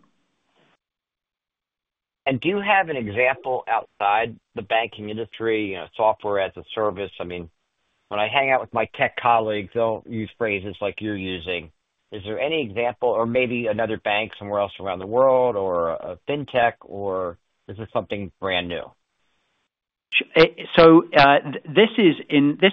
And do you have an example outside the banking industry, software as a service? I mean, when I hang out with my tech colleagues, they'll use phrases like you're using. Is there any example or maybe another bank somewhere else around the world or a fintech, or is this something brand new? So this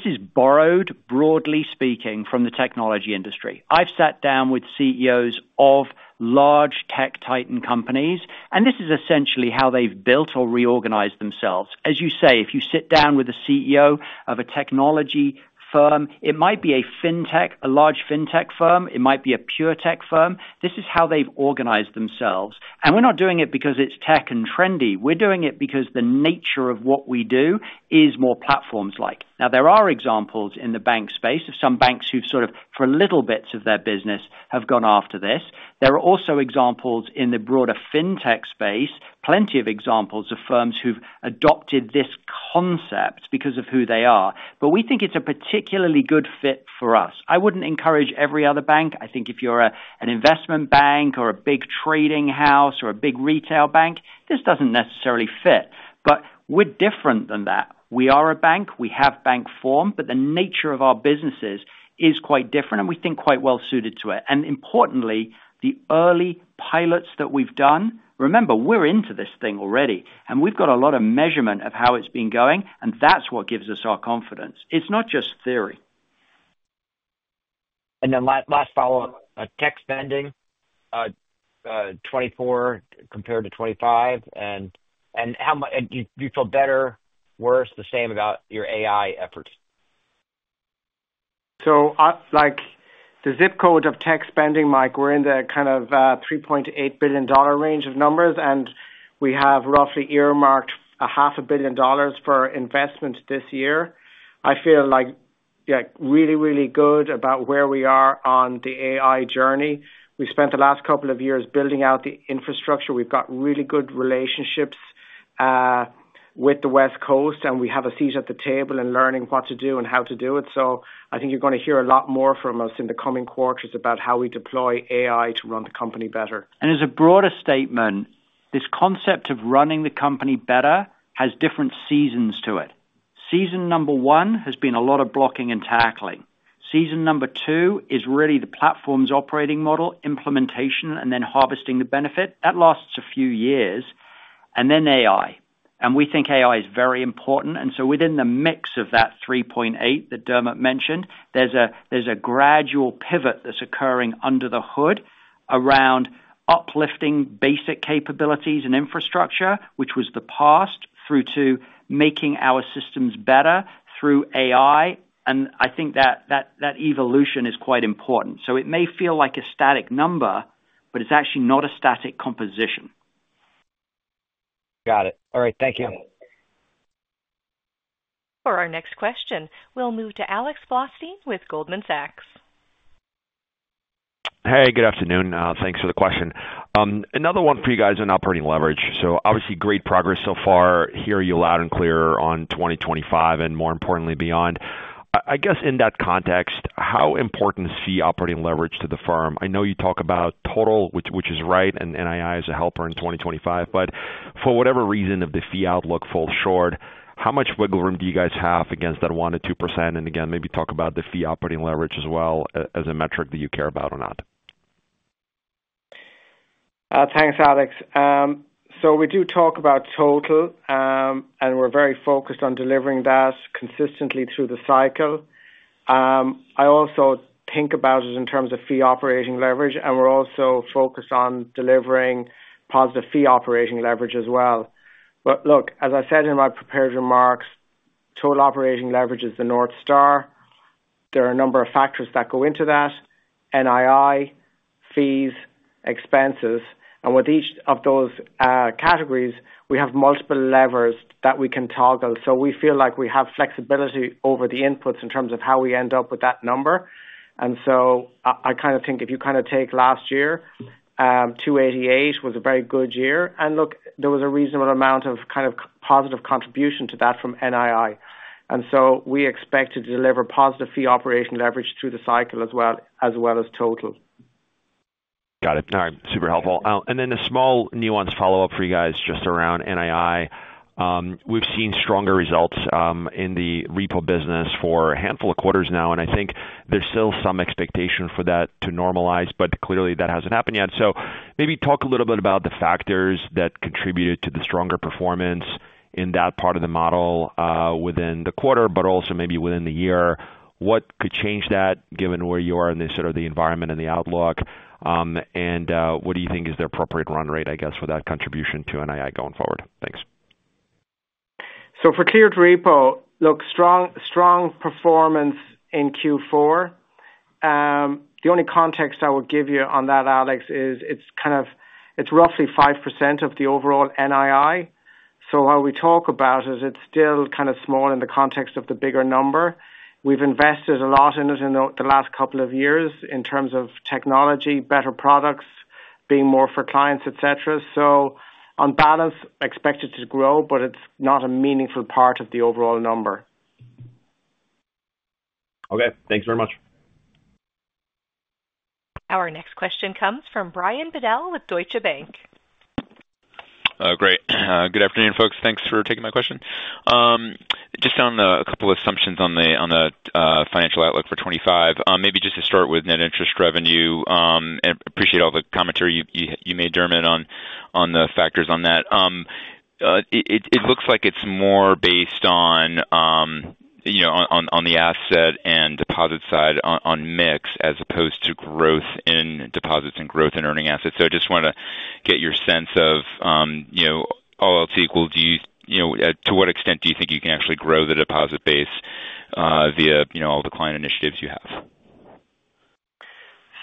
is borrowed, broadly speaking, from the technology industry. I've sat down with CEOs of large tech titan companies, and this is essentially how they've built or reorganized themselves. As you say, if you sit down with a CEO of a technology firm, it might be a fintech, a large fintech firm. It might be a pure tech firm. This is how they've organized themselves. And we're not doing it because it's tech and trendy. We're doing it because the nature of what we do is more platforms-like. Now, there are examples in the bank space of some banks who've sort of, for little bits of their business, have gone after this. There are also examples in the broader fintech space, plenty of examples of firms who've adopted this concept because of who they are. But we think it's a particularly good fit for us. I wouldn't encourage every other bank. I think if you're an investment bank or a big trading house or a big retail bank, this doesn't necessarily fit. But we're different than that. We are a bank. We have bank form, but the nature of our businesses is quite different, and we think quite well-suited to it. Importantly, the early pilots that we've done, remember, we're into this thing already, and we've got a lot of measurement of how it's been going, and that's what gives us our confidence. It's not just theory. Last follow-up, tech spending, 2024 compared to 2025. Do you feel better, worse, the same about your AI efforts? The zip code of tech spending, Mike, we're in the kind of $3.8 billion range of numbers, and we have roughly earmarked $500 million for investment this year. I feel really, really good about where we are on the AI journey. We spent the last couple of years building out the infrastructure. We've got really good relationships with the West Coast, and we have a seat at the table in learning what to do and how to do it. I think you're going to hear a lot more from us in the coming quarters about how we deploy AI to run the company better. And as a broader statement, this concept of running the company better has different seasons to it. Season number one has been a lot of blocking and tackling. Season number two is really the Platform Operating Model implementation, and then harvesting the benefit. That lasts a few years. And then AI. And we think AI is very important. And so within the mix of that 3.8 that Dermot mentioned, there's a gradual pivot that's occurring under the hood around uplifting basic capabilities and infrastructure, which was the past, through to making our systems better through AI. And I think that evolution is quite important. So it may feel like a static number, but it's actually not a static composition. Got it. All right. Thank you. For our next question, we'll move to Alex Blostein with Goldman Sachs. Hey, good afternoon. Thanks for the question. Another one for you guys on operating leverage. So obviously, great progress so far. Hear you loud and clear on 2025 and more importantly beyond. I guess in that context, how important is fee operating leverage to the firm? I know you talk about total, which is right, and NII is a helper in 2025. But for whatever reason, if the fee outlook falls short, how much wiggle room do you guys have against that 1%-2%? And again, maybe talk about the fee operating leverage as well as a metric that you care about or not. Thanks, Alex. So we do talk about total, and we're very focused on delivering that consistently through the cycle. I also think about it in terms of fee operating leverage, and we're also focused on delivering positive fee operating leverage as well. But look, as I said in my prepared remarks, total operating leverage is the North Star. There are a number of factors that go into that: NII, fees, expenses. And with each of those categories, we have multiple levers that we can toggle. So we feel like we have flexibility over the inputs in terms of how we end up with that number. And so I kind of think if you kind of take last year, 288 was a very good year. And look, there was a reasonable amount of kind of positive contribution to that from NII. And so we expect to deliver positive fee operating leverage through the cycle as well as total. Got it. All right. Super helpful. And then a small nuanced follow-up for you guys just around NII. We've seen stronger results in the repo business for a handful of quarters now, and I think there's still some expectation for that to normalize, but clearly that hasn't happened yet. So maybe talk a little bit about the factors that contributed to the stronger performance in that part of the model within the quarter, but also maybe within the year. What could change that given where you are in this sort of the environment and the outlook? And what do you think is the appropriate run rate, I guess, for that contribution to NII going forward? Thanks. So for tiered repo, look, strong performance in Q4. The only context I will give you on that, Alex, is it's kind of roughly 5% of the overall NII. So while we talk about it, it's still kind of small in the context of the bigger number. We've invested a lot in it in the last couple of years in terms of technology, better products, being more for clients, etc. So on balance, expected to grow, but it's not a meaningful part of the overall number. Okay. Thanks very much. Our next question comes from Brian Bedell with Deutsche Bank. Great. Good afternoon, folks. Thanks for taking my question. Just on a couple of assumptions on the financial outlook for 2025, maybe just to start with net interest revenue, and appreciate all the commentary you made, Dermot, on the factors on that. It looks like it's more based on the asset and deposit side on mix as opposed to growth in deposits and growth in earning assets. So I just want to get your sense of all else equal, to what extent do you think you can actually grow the deposit base via all the client initiatives you have?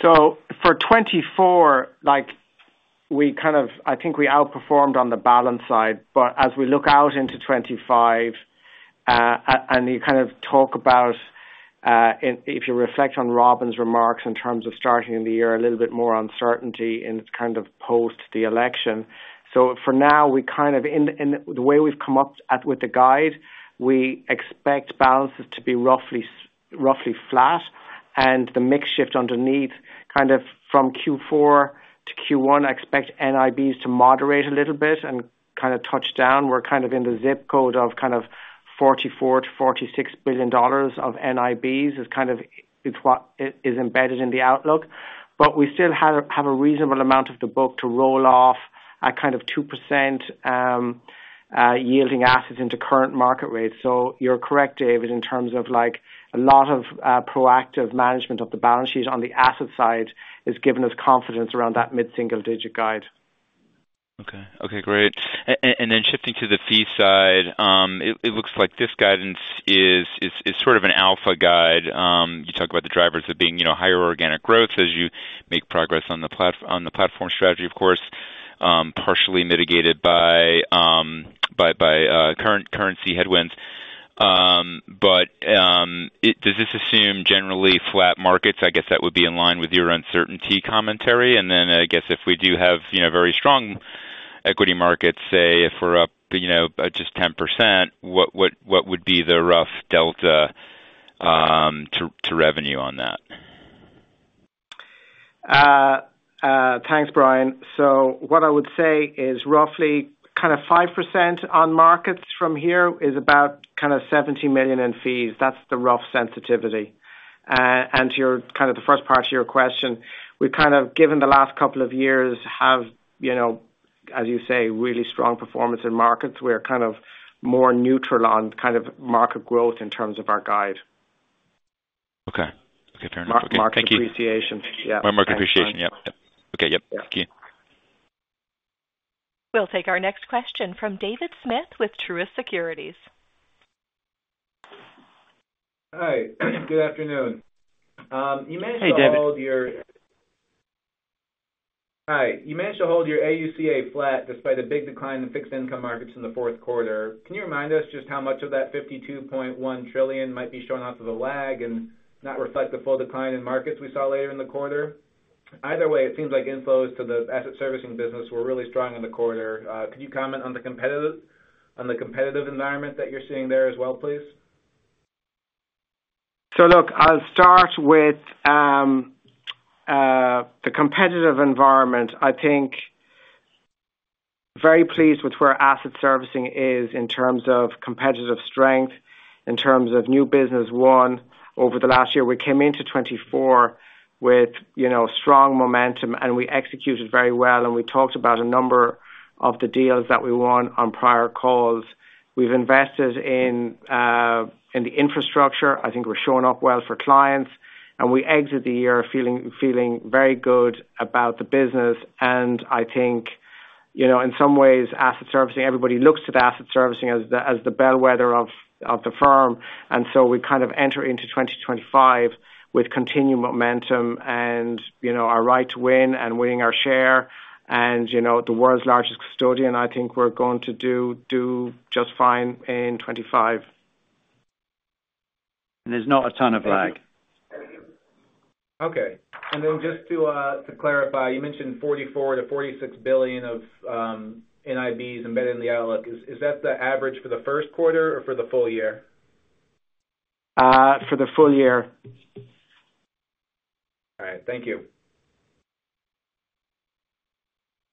So for 2024, we kind of, I think we outperformed on the balance side. But as we look out into 2025, and you kind of talk about, if you reflect on Robin's remarks in terms of starting the year, a little bit more uncertainty in kind of post the election. So for now, we kind of, in the way we've come up with the guide, we expect balances to be roughly flat. And the mix shift underneath, kind of from Q4 to Q1, I expect NIBs to moderate a little bit and kind of touch down. We're kind of in the zip code of kind of $44 billion-$46 billion of NIBs is kind of what is embedded in the outlook. But we still have a reasonable amount of the book to roll off at kind of 2% yielding assets into current market rates. So you're correct, Brian, in terms of a lot of proactive management of the balance sheet on the asset side has given us confidence around that mid-single digit guide. Okay. Okay. Great. And then shifting to the fee side, it looks like this guidance is sort of an alpha guide. You talk about the drivers of being higher organic growth as you make progress on the platform strategy, of course, partially mitigated by current currency headwinds. But does this assume generally flat markets? I guess that would be in line with your uncertainty commentary. And then I guess if we do have very strong equity markets, say, if we're up just 10%, what would be the rough delta to revenue on that? Thanks, Brian. So what I would say is roughly kind of 5% on markets from here is about kind of $17 million in fees. That's the rough sensitivity. And to kind of the first part of your question, we've kind of, given the last couple of years, have, as you say, really strong performance in markets. We're kind of more neutral on kind of market growth in terms of our guide. Okay. Okay. Fair enough. Market appreciation. Yeah. Market appreciation. Yep. Yep. Okay. Yep. Thank you. We'll take our next question from David Smith with Truist Securities. Hi. Good afternoon. You managed to hold your. Hey, David. Hi. You managed to hold your AUCA flat despite a big decline in fixed income markets in the fourth quarter. Can you remind us just how much of that $52.1 trillion might be subject to the lag and not reflect the full decline in markets we saw later in the quarter? Either way, it seems like inflows to the asset servicing business were really strong in the quarter. Could you comment on the competitive environment that you're seeing there as well, please? So look, I'll start with the competitive environment. I'm very pleased with where asset servicing is in terms of competitive strength, in terms of new business. One, over the last year, we came into 2024 with strong momentum, and we executed very well. And we talked about a number of the deals that we won on prior calls. We've invested in the infrastructure. I think we're showing up well for clients. And we exit the year feeling very good about the business. And I think, in some ways, Asset Servicing, everybody looks at Asset Servicing as the bellwether of the firm. And so we kind of enter into 2025 with continued momentum and our right to win and winning our share. And the world's largest custodian, I think we're going to do just fine in 2025. And there's not a ton of lag. Okay. And then just to clarify, you mentioned $44 billion-46 billion of NIBs embedded in the outlook. Is that the average for the first quarter or for the full year? For the full year. All right. Thank you.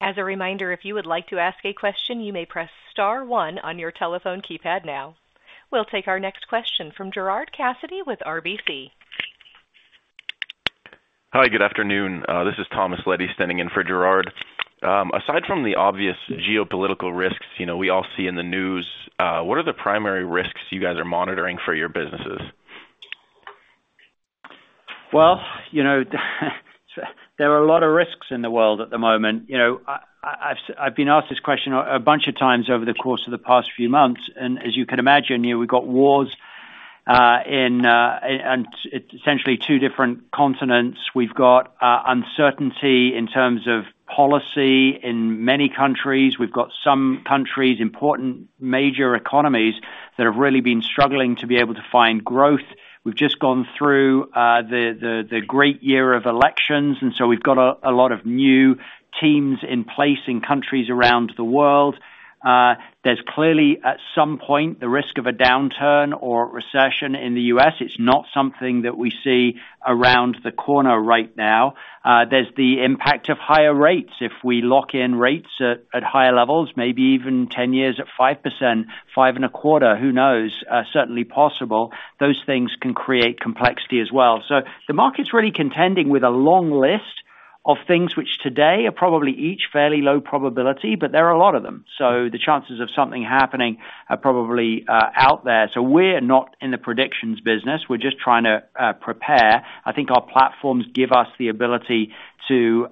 As a reminder, if you would like to ask a question, you may press star one on your telephone keypad now. We'll take our next question from Gerard Cassidy with RBC. Hi. Good afternoon. This is Thomas Leddy standing in for Gerard. Aside from the obvious geopolitical risks we all see in the news, what are the primary risks you guys are monitoring for your businesses? Well, there are a lot of risks in the world at the moment. I've been asked this question a bunch of times over the course of the past few months. And as you can imagine, we've got wars in essentially two different continents. We've got uncertainty in terms of policy in many countries. We've got some countries, important major economies that have really been struggling to be able to find growth. We've just gone through the great year of elections. And so we've got a lot of new teams in place in countries around the world. There's clearly, at some point, the risk of a downturn or recession in the U.S. It's not something that we see around the corner right now. There's the impact of higher rates. If we lock in rates at higher levels, maybe even 10 years at 5%, 5 and a quarter, who knows? Certainly possible. Those things can create complexity as well. So the market's really contending with a long list of things which today are probably each fairly low probability, but there are a lot of them. So the chances of something happening are probably out there. So we're not in the predictions business. We're just trying to prepare. I think our platforms give us the ability to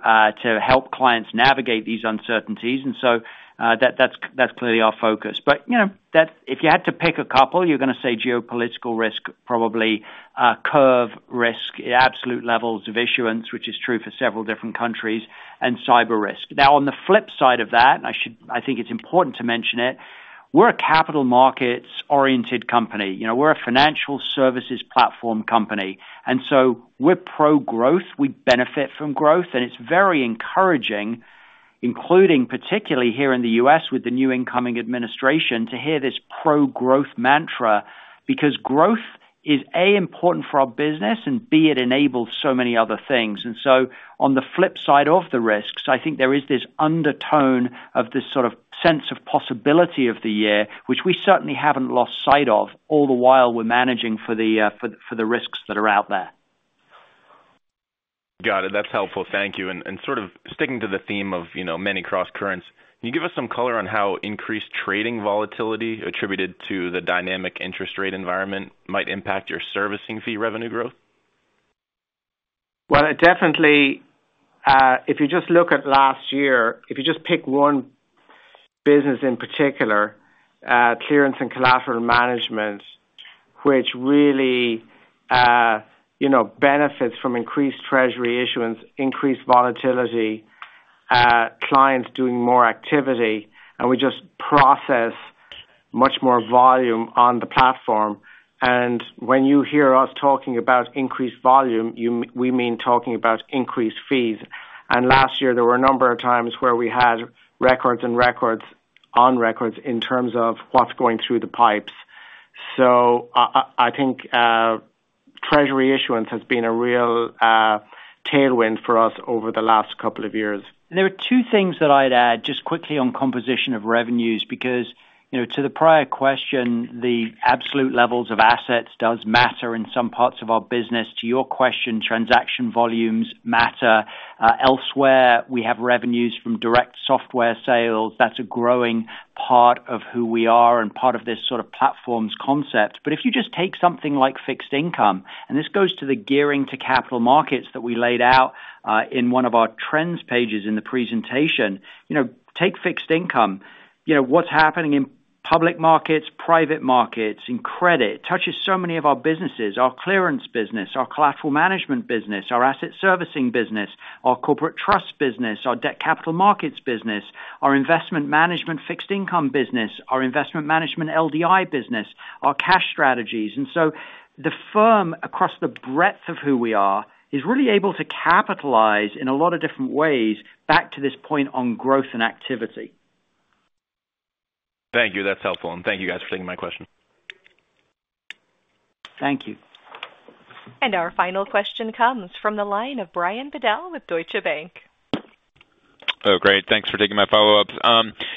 help clients navigate these uncertainties. And so that's clearly our focus. But if you had to pick a couple, you're going to say geopolitical risk, probably curve risk, absolute levels of issuance, which is true for several different countries, and cyber risk. Now, on the flip side of that, and I think it's important to mention it, we're a capital markets-oriented company. We're a financial services platform company. And so we're pro-growth. We benefit from growth. And it's very encouraging, including particularly here in the U.S. with the new incoming administration, to hear this pro-growth mantra because growth is, A, important for our business, and B, it enables so many other things. And so on the flip side of the risks, I think there is this undertone of this sort of sense of possibility of the year, which we certainly haven't lost sight of all the while we're managing for the risks that are out there. Got it. That's helpful. Thank you. Sort of sticking to the theme of many cross-currents, can you give us some color on how increased trading volatility attributed to the dynamic interest rate environment might impact your servicing fee revenue growth? Definitely, if you just look at last year, if you just pick one business in particular, Clearance and Collateral Management, which really benefits from increased treasury issuance, increased volatility, clients doing more activity, and we just process much more volume on the platform. When you hear us talking about increased volume, we mean talking about increased fees. Last year, there were a number of times where we had records and records on records in terms of what's going through the pipes. I think treasury issuance has been a real tailwind for us over the last couple of years. There are two things that I'd add just quickly on composition of revenues because to the prior question, the absolute levels of assets do matter in some parts of our business. To your question, transaction volumes matter. Elsewhere, we have revenues from direct software sales. That's a growing part of who we are and part of this sort of platforms concept. If you just take something like fixed income, and this goes to the gearing to capital markets that we laid out in one of our trends pages in the presentation, take fixed income. What's happening in public markets, private markets, in credit touches so many of our businesses: our clearance business, our collateral management business, our asset servicing business, our corporate trust business, our debt capital markets business, our investment management fixed income business, our investment management LDI business, our cash strategies. The firm, across the breadth of who we are, is really able to capitalize in a lot of different ways back to this point on growth and activity. Thank you. That's helpful. Thank you, guys, for taking my question. Thank you. Our final question comes from the line of Brian Bedell with Deutsche Bank. Oh, great. Thanks for taking my follow-up.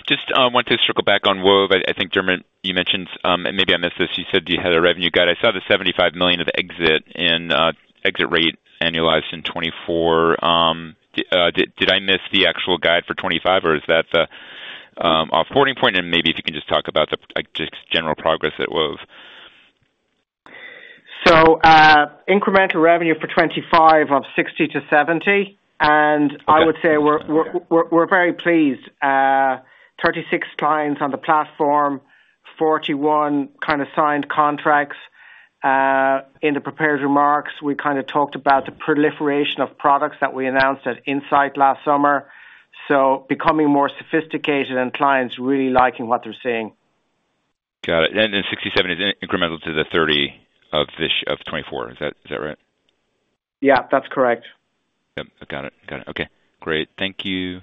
Just want to circle back on Wove. I think, Dermot, you mentioned, and maybe I missed this. You said you had a revenue guide. I saw the $75 million of exit rate annualized in 2024. Did I miss the actual guide for 2025, or is that the off-boarding point? Maybe if you can just talk about the general progress at Wove. Incremental revenue for 2025 of $60 million-$70 million. I would say we're very pleased. 36 clients on the platform, 41 kind of signed contracts. In the prepared remarks, we kind of talked about the proliferation of products that we announced at INSITE last summer. So becoming more sophisticated and clients really liking what they're seeing. Got it. And 67 is incremental to the 30 of 2024. Is that right? Yeah. That's correct. Got it. Got it. Okay. Great. Thank you.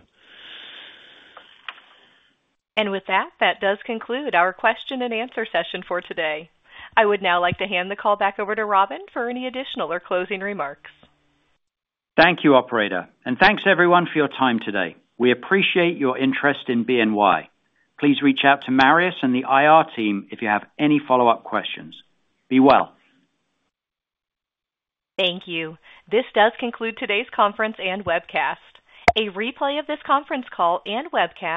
And with that, that does conclude our question and answer session for today. I would now like to hand the call back over to Robin for any additional or closing remarks. Thank you, Operator. And thanks, everyone, for your time today. We appreciate your interest in BNY. Please reach out to Marius and the IR team if you have any follow-up questions. Be well. Thank you. This does conclude today's conference and webcast. A replay of this conference call and webcast.